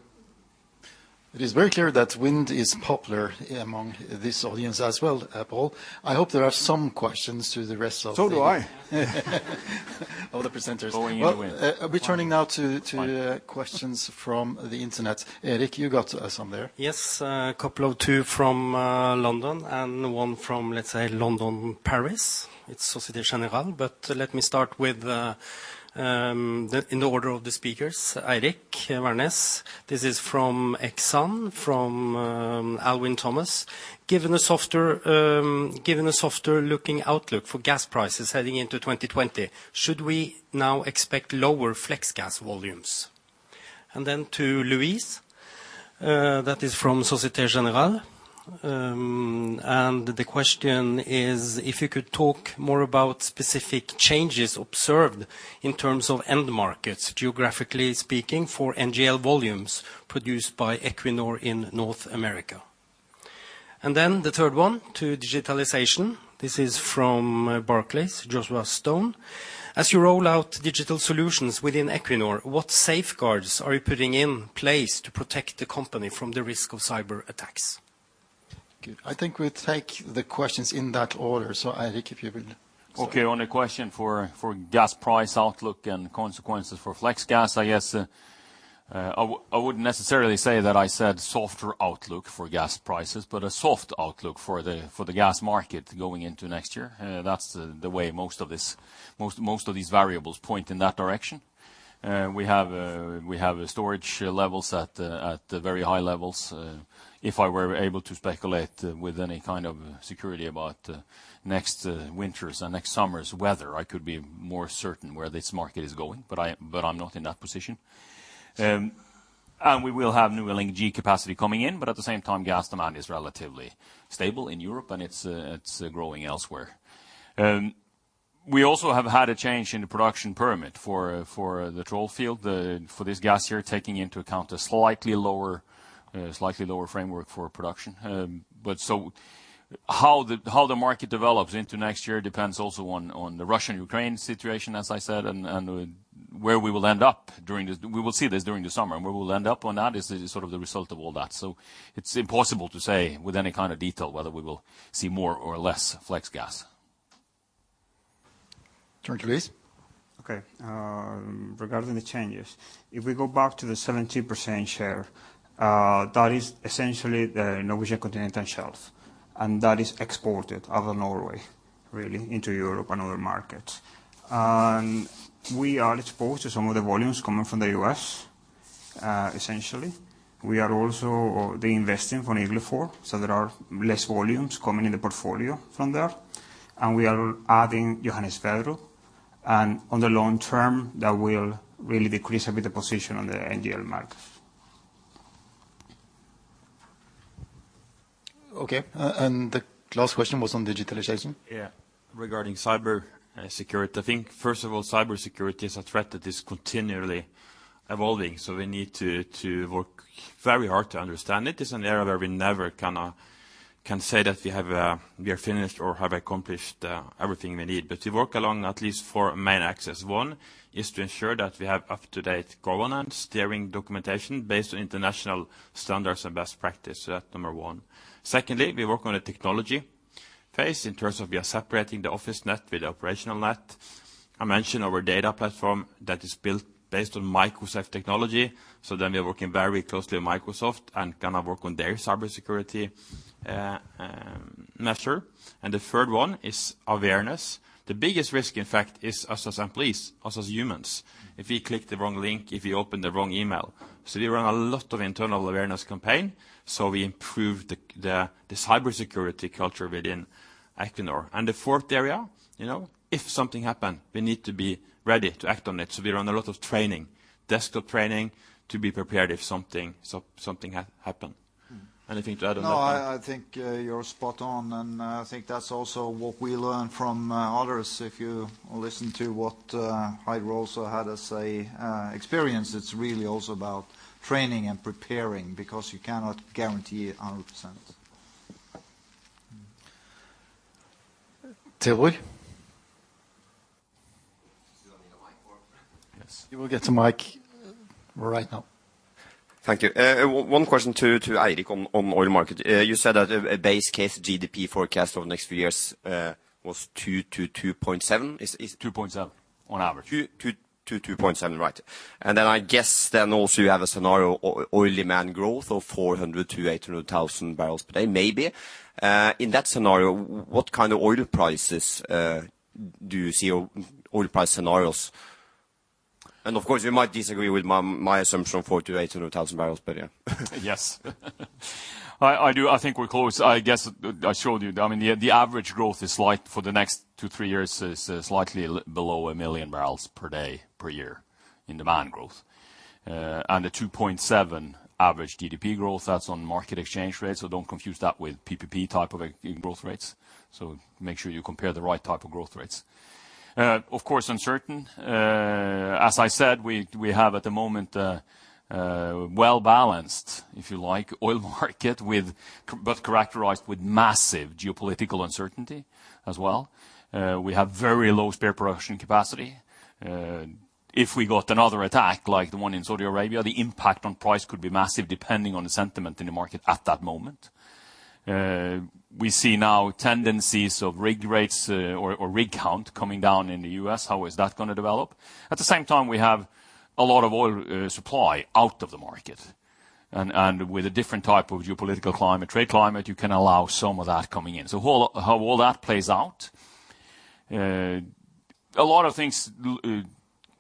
It is very clear that wind is popular among this audience as well, Paul. I hope there are some questions to the rest of the. So do I. All the presenters. Going in the wind. We're turning now to questions from the internet. Erik, you got some there. Yes, a couple of two from London and one from, let's say London, Paris. It's Société Générale. Let me start in the order of the speakers. Eirik Wærness, this is from Exane, from Alwyn Thomas. "Given the softer looking outlook for gas prices heading into 2020, should we now expect lower flex gas volumes?" Then to Luis, that is from Société Générale. The question is, "If you could talk more about specific changes observed in terms of end markets, geographically speaking, for NGL volumes produced by Equinor in North America." Then the third one to digitalization. This is from Barclays, Joshua Stone. "As you roll out digital solutions within Equinor, what safeguards are you putting in place to protect the company from the risk of cyber attacks? Good. I think we take the questions in that order. Eirik, if you will start. Okay, on the question for gas price outlook and consequences for flex gas, I guess. I wouldn't necessarily say that I said softer outlook for gas prices, but a soft outlook for the gas market going into next year. That's the way most of these variables point in that direction. We have storage levels at very high levels. If I were able to speculate with any kind of security about next winter's or next summer's weather, I could be more certain where this market is going, but I'm not in that position. We will have new LNG capacity coming in, but at the same time, gas demand is relatively stable in Europe, and it's growing elsewhere. We also have had a change in the production permit for the Troll field, for this gas year, taking into account a slightly lower framework for production. How the market develops into next year depends also on the Russia and Ukraine situation, as I said, and where we will end up. We will see this during the summer. Where we will end up on that is the result of all that. It's impossible to say with any kind of detail whether we will see more or less flex gas. Turn to Luis. Okay. Regarding the changes, if we go back to the 17% share, that is essentially the Norwegian Continental Shelf, that is exported out of Norway really into Europe and other markets. We are exposed to some of the volumes coming from the U.S., essentially. We are also de-investing from Eagle Ford, there are less volumes coming in the portfolio from there. We are adding Johan Sverdrup, on the long term, that will really decrease a bit the position on the NGL market. Okay. The last question was on digitalization. Yeah. Regarding cybersecurity, I think first of all, cybersecurity is a threat that is continually evolving, we need to work very hard to understand it. It's an area where we never can say that we are finished or have accomplished everything we need. We work along at least four main axes. One is to ensure that we have up-to-date governance, steering documentation based on international standards and best practice. That's number 1. Secondly, we work on the technology phase in terms of we are separating the office net with the operational net. I mentioned our data platform that is built based on Microsoft technology, then we are working very closely with Microsoft and work on their cybersecurity measure. The third one is awareness. The biggest risk, in fact, is us as employees, us as humans. If we click the wrong link, if we open the wrong email. We run a lot of internal awareness campaign, so we improve the cybersecurity culture within Equinor. The fourth area, if something happen, we need to be ready to act on it. We run a lot of training, desktop training to be prepared if something happen. Anything to add on that? No, I think you're spot on. I think that's also what we learn from others. If you listen to what Hydro also had as a experience, it's really also about training and preparing because you cannot guarantee 100%. Teodor? Do you need a mic for? Yes. You will get a mic right now. Thank you. One question to Eirik on oil market. You said that a base case GDP forecast over the next few years was 2%-2.7%, is it? 2.7 on average. 2-2.7, right. I guess then also you have a scenario oil demand growth of 400,000-800,000 barrels per day, maybe. In that scenario, what kind of oil price scenarios do you see? Of course, you might disagree with my assumption, 400,000-800,000 barrels per year. Yes. I do. I think we're close. I showed you. The average growth for the next two, three years is slightly below 1 million barrels per day per year in demand growth. The 2.7 average GDP growth, that's on market exchange rate, don't confuse that with PPP type of growth rates. Make sure you compare the right type of growth rates. Of course, uncertain. As I said, we have at the moment a well-balanced, if you like, oil market, but characterized with massive geopolitical uncertainty as well. We have very low spare production capacity. If we got another attack like the one in Saudi Arabia, the impact on price could be massive depending on the sentiment in the market at that moment. We see now tendencies of rig rates or rig count coming down in the U.S. How is that going to develop? We have a lot of oil supply out of the market. With a different type of geopolitical climate, trade climate, you can allow some of that coming in. How all that plays out, a lot of things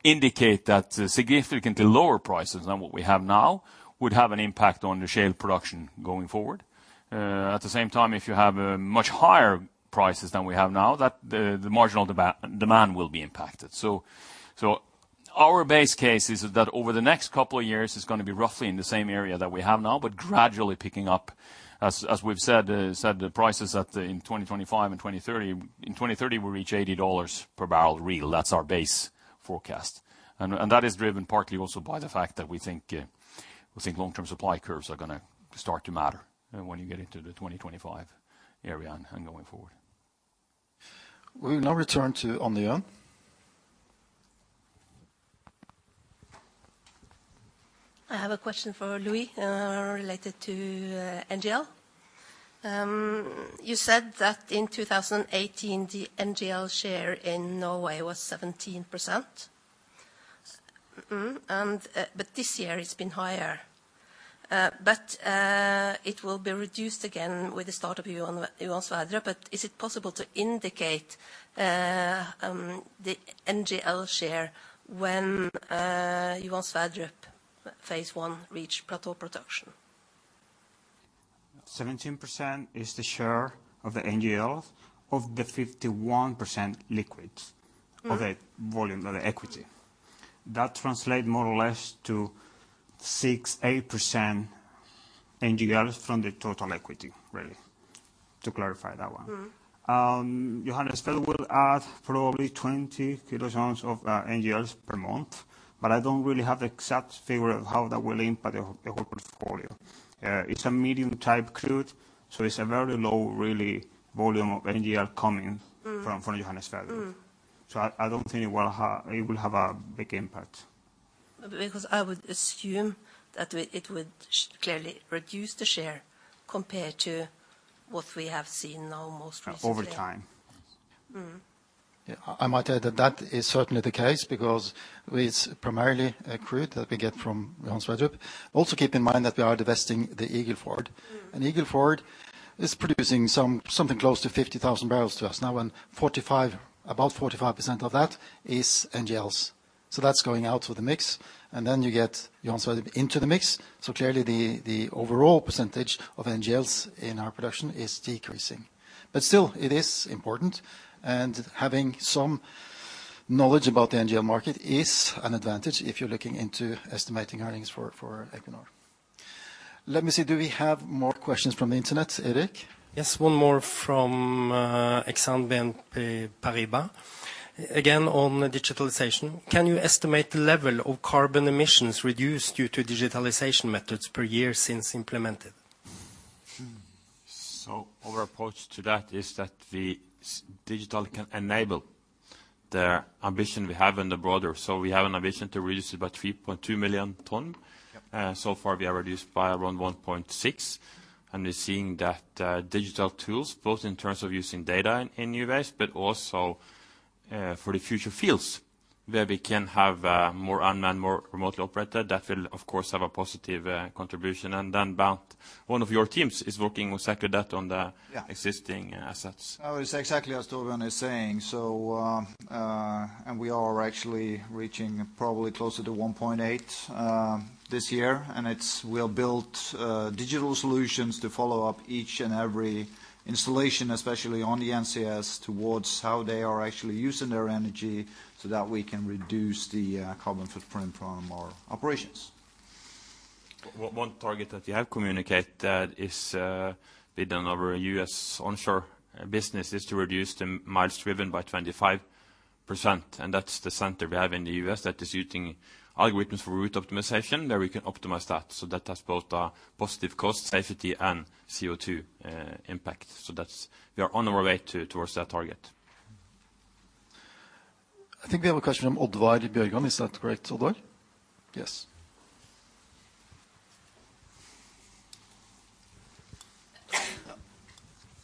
indicate that significantly lower prices than what we have now would have an impact on the shale production going forward. If you have much higher prices than we have now, the marginal demand will be impacted. Our base case is that over the next couple of years, it's going to be roughly in the same area that we have now, but gradually picking up. As we've said, the prices in 2025 and 2030, in 2030 will reach $80 per barrel real. That's our base forecast. That is driven partly also by the fact that we think long-term supply curves are going to start to matter when you get into the 2025 area and going forward. We will now return to Anne-Johun. I have a question for Luis related to NGL. You said that in 2018, the NGL share in Norway was 17%. This year it's been higher. It will be reduced again with the start of Johan Sverdrup. Is it possible to indicate the NGL share when Johan Sverdrup phase 1 reach plateau production? 17% is the share of the NGL of the 51% liquids of the volume of the equity. That translate more or less to 6%-8% NGLs from the total equity, really, to clarify that one. Johan Sverdrup will add probably 20 kilobarrels of NGLs per month, but I don't really have the exact figure of how that will impact the whole portfolio. It's a medium-type crude, so it's a very low really volume of NGL coming from Johan Sverdrup. Mmm I don't think it will have a big impact. I would assume that it would clearly reduce the share compared to what we have seen now most recently. Over time. Yeah, I might add that that is certainly the case because it's primarily crude that we get from Johan Sverdrup. Also, keep in mind that we are divesting the Eagle Ford. Eagle Ford is producing something close to 50,000 barrels to us now, and about 45% of that is NGLs. That's going out of the mix, and then you get Johan Sverdrup into the mix. Clearly the overall percentage of NGLs in our production is decreasing. Still, it is important, and having some knowledge about the NGL market is an advantage if you're looking into estimating earnings for Equinor. Let me see. Do we have more questions from the internet, Erik? Yes. One more from BNP Paribas Exane. Again, on digitalization. Can you estimate the level of carbon emissions reduced due to digitalization methods per year since implemented? Our approach to that is that the digital can enable the ambition we have in the broader. We have an ambition to reduce it by 3.2 million ton. Yep. Far, we have reduced by around 1.6. We're seeing that digital tools, both in terms of using data in new ways, but also for the future fields where we can have more unmanned, more remotely operated. That will, of course, have a positive contribution. Bernt, one of your teams is working exactly that. Yeah existing assets. Oh, it's exactly as Torbjørn is saying. We are actually reaching probably closer to 1.8 this year. We have built digital solutions to follow up each and every installation, especially on the NCS, towards how they are actually using their energy so that we can reduce the carbon footprint from our operations. One target that we have communicated is within our U.S. onshore business, is to reduce the miles driven by 25%. That's the center we have in the U.S. that is using algorithms for route optimization, where we can optimize that. That has both a positive cost, safety, and CO2 impact. We are on our way towards that target. I think we have a question from Oddvar Bjørgan. Is that correct, Oddvar? Yes.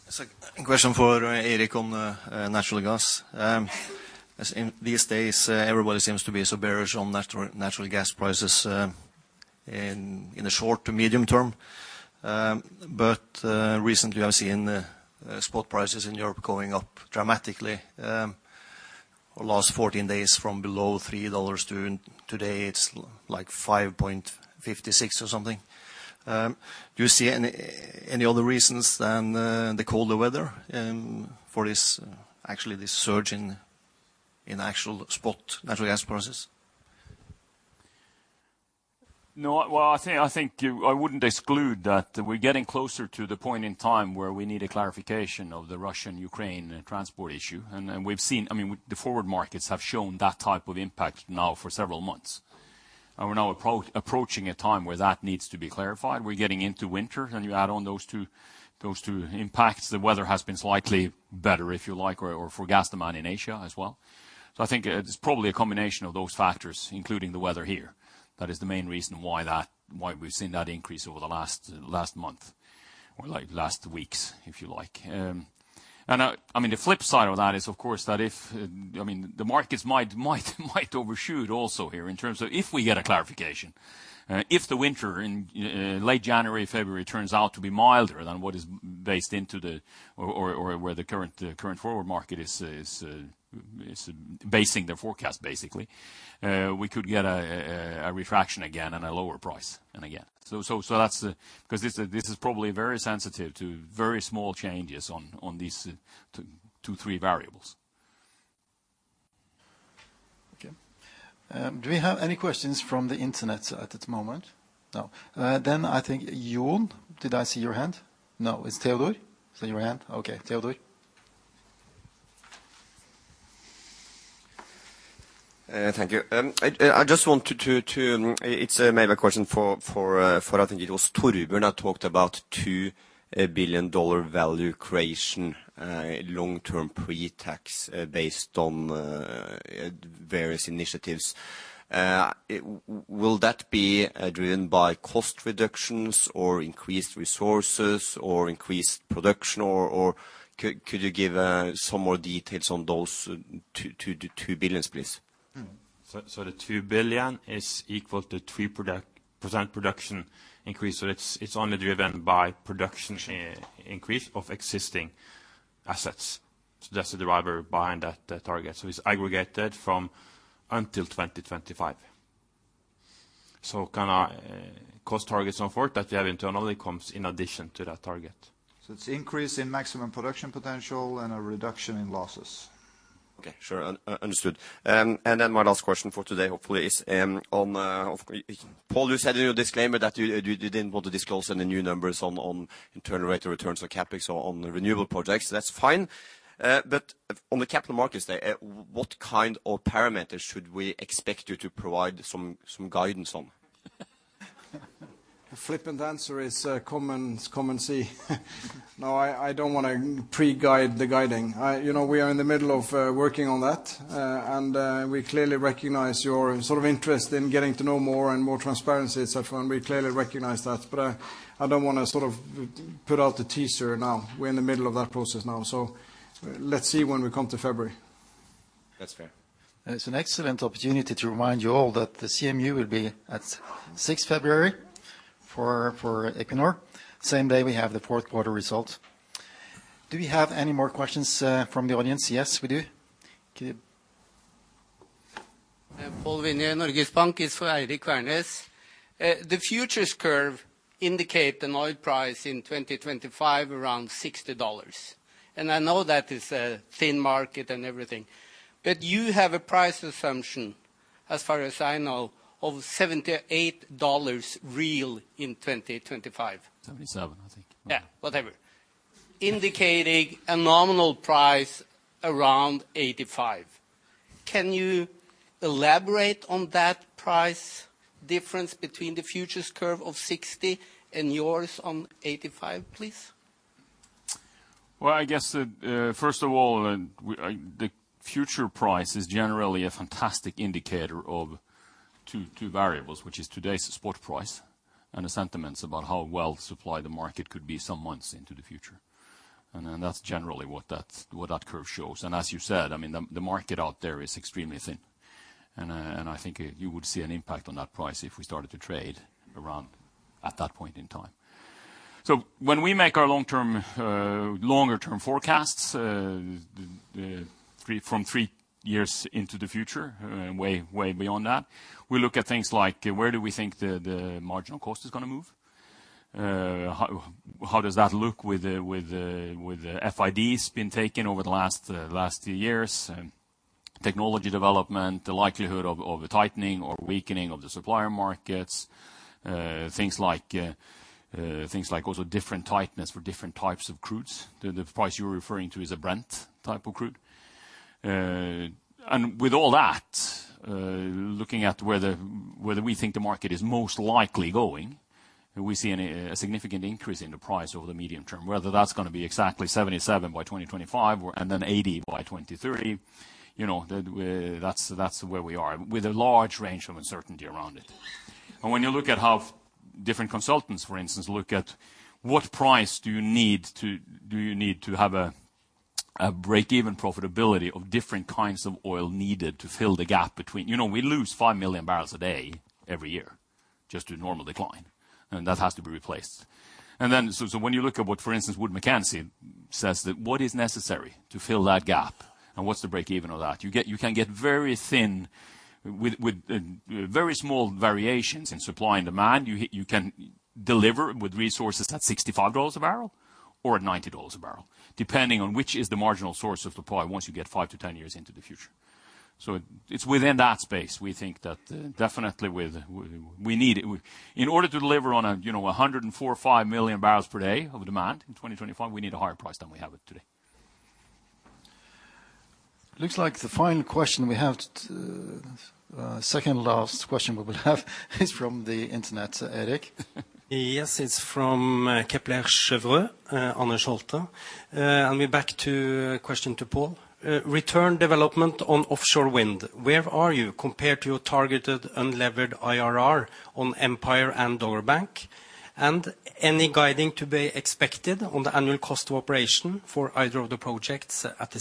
It's a question for Eirik on natural gas. These days everybody seems to be so bearish on natural gas prices in the short to medium term. Recently I've seen spot prices in Europe going up dramatically last 14 days from below $3 to today it's like $5.56 or something. Do you see any other reasons than the colder weather for this actually this surge in actual spot natural gas prices? Well, I think I wouldn't exclude that we're getting closer to the point in time where we need a clarification of the Russian-Ukraine transport issue. We've seen the forward markets have shown that type of impact now for several months. We're now approaching a time where that needs to be clarified. We're getting into winter, and you add on those two impacts. The weather has been slightly better, if you like, or for gas demand in Asia as well. I think it's probably a combination of those factors, including the weather here. That is the main reason why we've seen that increase over the last month, or like last weeks, if you like. I mean, the flip side of that is, of course, that if the markets might overshoot also here in terms of if we get a clarification. If the winter in late January, February turns out to be milder than what is based into where the current forward market is basing their forecast, basically we could get a refraction again and a lower price. Again, because this is probably very sensitive to very small changes on these two, three variables. Okay. Do we have any questions from the internet at this moment? No. I think, Jon, did I see your hand? No. It's Teodor. I see your hand. Okay. Teodor Thank you. I just wanted to, it's maybe a question for I think it was Torbjørn that talked about $2 billion value creation, long-term pre-tax, based on various initiatives. Will that be driven by cost reductions or increased resources or increased production? Could you give some more details on those $2 billion, please? The $2 billion is equal to 3% production increase, so it's only driven by production increase of existing assets. That's the driver behind that target. It's aggregated from until 2025. Kind of cost targets going forward that we have internally comes in addition to that target. It's increase in maximum production potential and a reduction in losses. Okay, sure. Understood. My last question for today hopefully is on, Pål, you said in your disclaimer that you didn't want to disclose any new numbers on internal rate of returns or CapEx on the renewable projects. That's fine. On the capital markets day, what kind of parameters should we expect you to provide some guidance on? The flippant answer is come and see. I don't want to pre-guide the guiding. We are in the middle of working on that. We clearly recognize your interest in getting to know more and more transparency, et cetera, and we clearly recognize that. I don't want to sort of put out the teaser now. We're in the middle of that process now, let's see when we come to February. That's fair. It's an excellent opportunity to remind you all that the CMU will be at 6th February for Equinor. Same day we have the fourth quarter results. Do we have any more questions from the audience? Yes, we do. Okay. Paul Wynni, Norges Bank is for Eirik Wærness. The futures curve indicate an oil price in 2025 around $60. I know that is a thin market and everything. You have a price assumption, as far as I know, of $78 real in 2025. 77, I think. Yeah, whatever. Indicating a nominal price around $85. Can you elaborate on that price difference between the futures curve of $60 and yours on $85, please? Well, I guess first of all, the future price is generally a fantastic indicator of two variables, which is today's spot price and the sentiments about how well supplied the market could be some months into the future. That's generally what that curve shows. As you said, the market out there is extremely thin, and I think you would see an impact on that price if we started to trade around at that point in time. When we make our longer term forecasts from three years into the future, way beyond that, we look at things like where do we think the marginal cost is going to move, how does that look with the FIDs been taken over the last two years, technology development, the likelihood of a tightening or weakening of the supplier markets, things like also different tightness for different types of crudes. The price you're referring to is a Brent type of crude. With all that, looking at whether we think the market is most likely going, we see a significant increase in the price over the medium term, whether that's going to be exactly $77 by 2025 or $80 by 2030, that's where we are, with a large range of uncertainty around it. When you look at how different consultants, for instance, look at what price do you need to have a break even profitability of different kinds of oil needed to fill the gap between, we lose 5 million barrels a day every year, just to normal decline, and that has to be replaced. When you look at what, for instance, Wood Mackenzie says that what is necessary to fill that gap and what's the break even of that? You can get very thin with very small variations in supply and demand. You can deliver with resources at $65 a barrel or at $90 a barrel, depending on which is the marginal source of supply once you get five to 10 years into the future. It's within that space, we think that we need it. In order to deliver on 104.5 MMbpd of demand in 2025, we need a higher price than we have it today. Looks like the final question, second last question we will have is from the internet, Erik. Yes, it's from Kepler Cheuvreux, Anders Holte. We're back to question to Pål Return development on offshore wind. Where are you compared to your targeted unlevered IRR on Empire and Dogger Bank? Any guiding to be expected on the annual cost of operation for either of the projects at the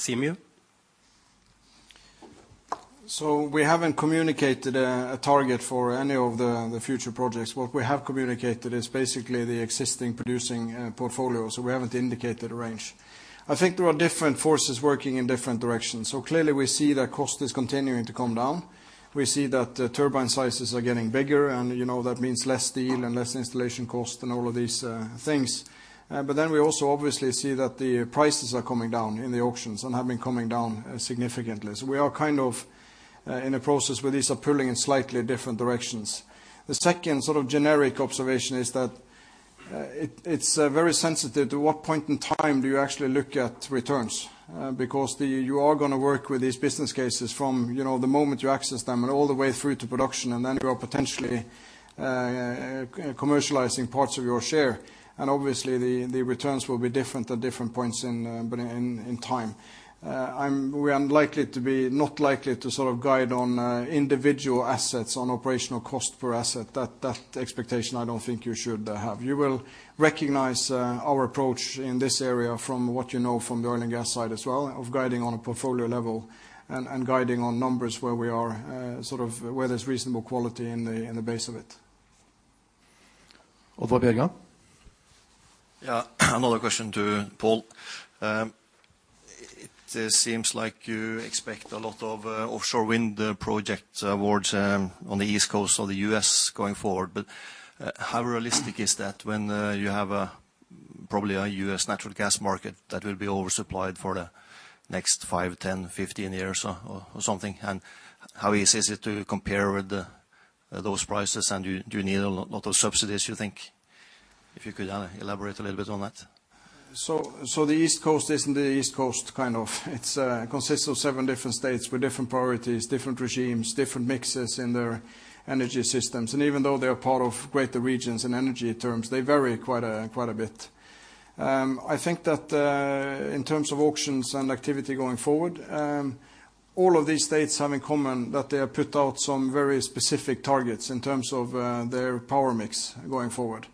CMU? We haven't communicated a target for any of the future projects. What we have communicated is basically the existing producing portfolio. We haven't indicated a range. I think there are different forces working in different directions. Clearly we see that cost is continuing to come down. We see that turbine sizes are getting bigger, and that means less steel and less installation cost and all of these things. We also obviously see that the prices are coming down in the auctions and have been coming down significantly. We are kind of in a process where these are pulling in slightly different directions. The second sort of generic observation is that it's very sensitive to what point in time do you actually look at returns, because you are going to work with these business cases from the moment you access them and all the way through to production, and then you are potentially commercializing parts of your share. Obviously, the returns will be different at different points in time. We are not likely to guide on individual assets on operational cost per asset. That expectation, I don't think you should have. You will recognize our approach in this area from what you know from the oil and gas side as well, of guiding on a portfolio level and guiding on numbers where there's reasonable quality in the base of it. Oddvar, yeah? Yeah. Another question to Pål. It seems like you expect a lot of offshore wind project awards on the East Coast of the U.S. going forward. How realistic is that when you have probably a U.S. natural gas market that will be oversupplied for the next five, 10, 15 years or something? How easy is it to compare with those prices? Do you need a lot of subsidies, you think? If you could elaborate a little bit on that. The East Coast isn't the East Coast, kind of. It consists of seven different states with different priorities, different regimes, different mixes in their energy systems. Even though they are part of greater regions in energy terms, they vary quite a bit. I think that in terms of auctions and activity going forward, all of these states have in common that they have put out some very specific targets in terms of their power mix going forward.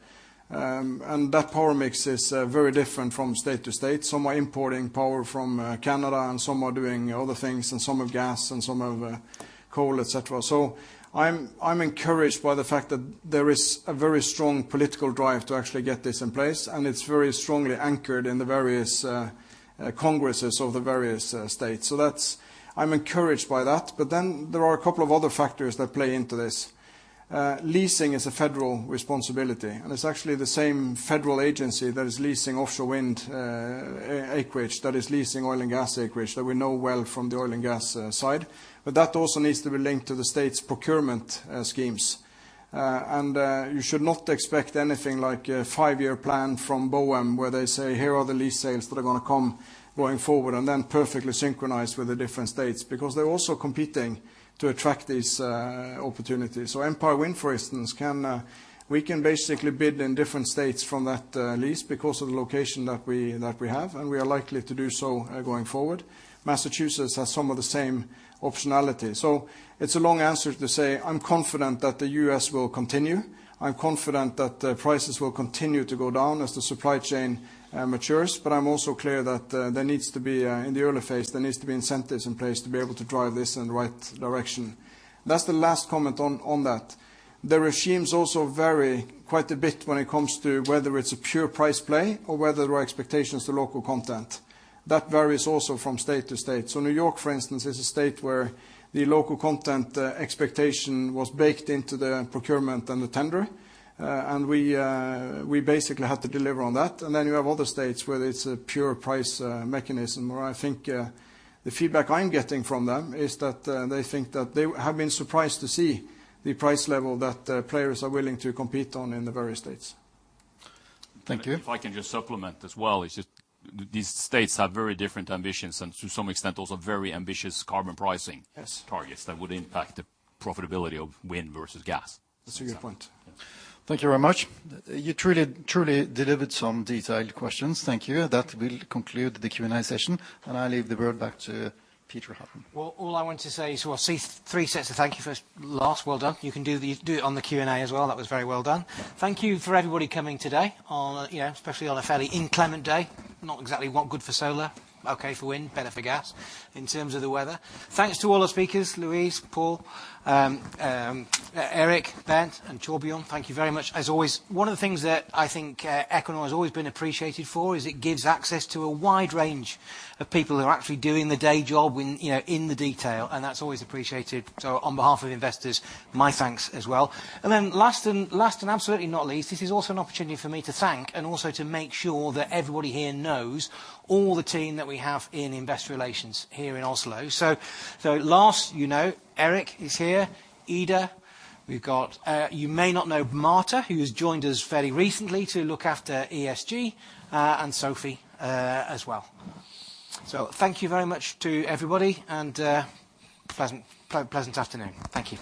That power mix is very different from state to state. Some are importing power from Canada, and some are doing other things, and some have gas, and some have coal, et cetera. I'm encouraged by the fact that there is a very strong political drive to actually get this in place, and it's very strongly anchored in the various congresses of the various states. I'm encouraged by that. There are a couple of other factors that play into this. Leasing is a federal responsibility, and it's actually the same federal agency that is leasing offshore wind acreage, that is leasing oil and gas acreage that we know well from the oil and gas side. That also needs to be linked to the state's procurement schemes. You should not expect anything like a five-year plan from BOEM where they say, "Here are the lease sales that are going to come going forward," and then perfectly synchronized with the different states, because they're also competing to attract these opportunities. Empire Wind, for instance, we can basically bid in different states from that lease because of the location that we have, and we are likely to do so going forward. Massachusetts has some of the same optionality. It's a long answer to say, I'm confident that the U.S. will continue. I'm confident that the prices will continue to go down as the supply chain matures, but I'm also clear that there needs to be, in the early phase, there needs to be incentives in place to be able to drive this in the right direction. That's the last comment on that. The regimes also vary quite a bit when it comes to whether it's a pure price play or whether there are expectations to local content. That varies also from state to state. New York, for instance, is a state where the local content expectation was baked into the procurement and the tender, and we basically had to deliver on that. You have other states where it's a pure price mechanism, where I think the feedback I'm getting from them is that they think that they have been surprised to see the price level that players are willing to compete on in the various states. Thank you. If I can just supplement as well, it's just these states have very different ambitions and to some extent, also very ambitious carbon pricing. Yes targets that would impact the profitability of wind versus gas. That's a good point. Thank you very much. You truly delivered some detailed questions. Thank you. That will conclude the Q&A session, and I leave the word back to Peter Hutton. Well, all I want to say is, well, see three sets of thank you for Lars. Well done. You can do it on the Q&A as well. That was very well done. Thank you for everybody coming today, especially on a fairly inclement day. Not exactly what good for solar, okay for wind, better for gas in terms of the weather. Thanks to all the speakers, Luis, Pål, Eirik, Bernt, and Torbjørn. Thank you very much. As always, one of the things that I think Equinor has always been appreciated for is it gives access to a wide range of people who are actually doing the day job in the detail, and that's always appreciated. On behalf of investors, my thanks as well. Last and absolutely not least, this is also an opportunity for me to thank and also to make sure that everybody here knows all the team that we have in Investor Relations here in Oslo. Lars you know, Erik is here, Ida. You may not know Marta, who has joined us fairly recently to look after ESG, and Sophie as well. Thank you very much to everybody, and pleasant afternoon. Thank you.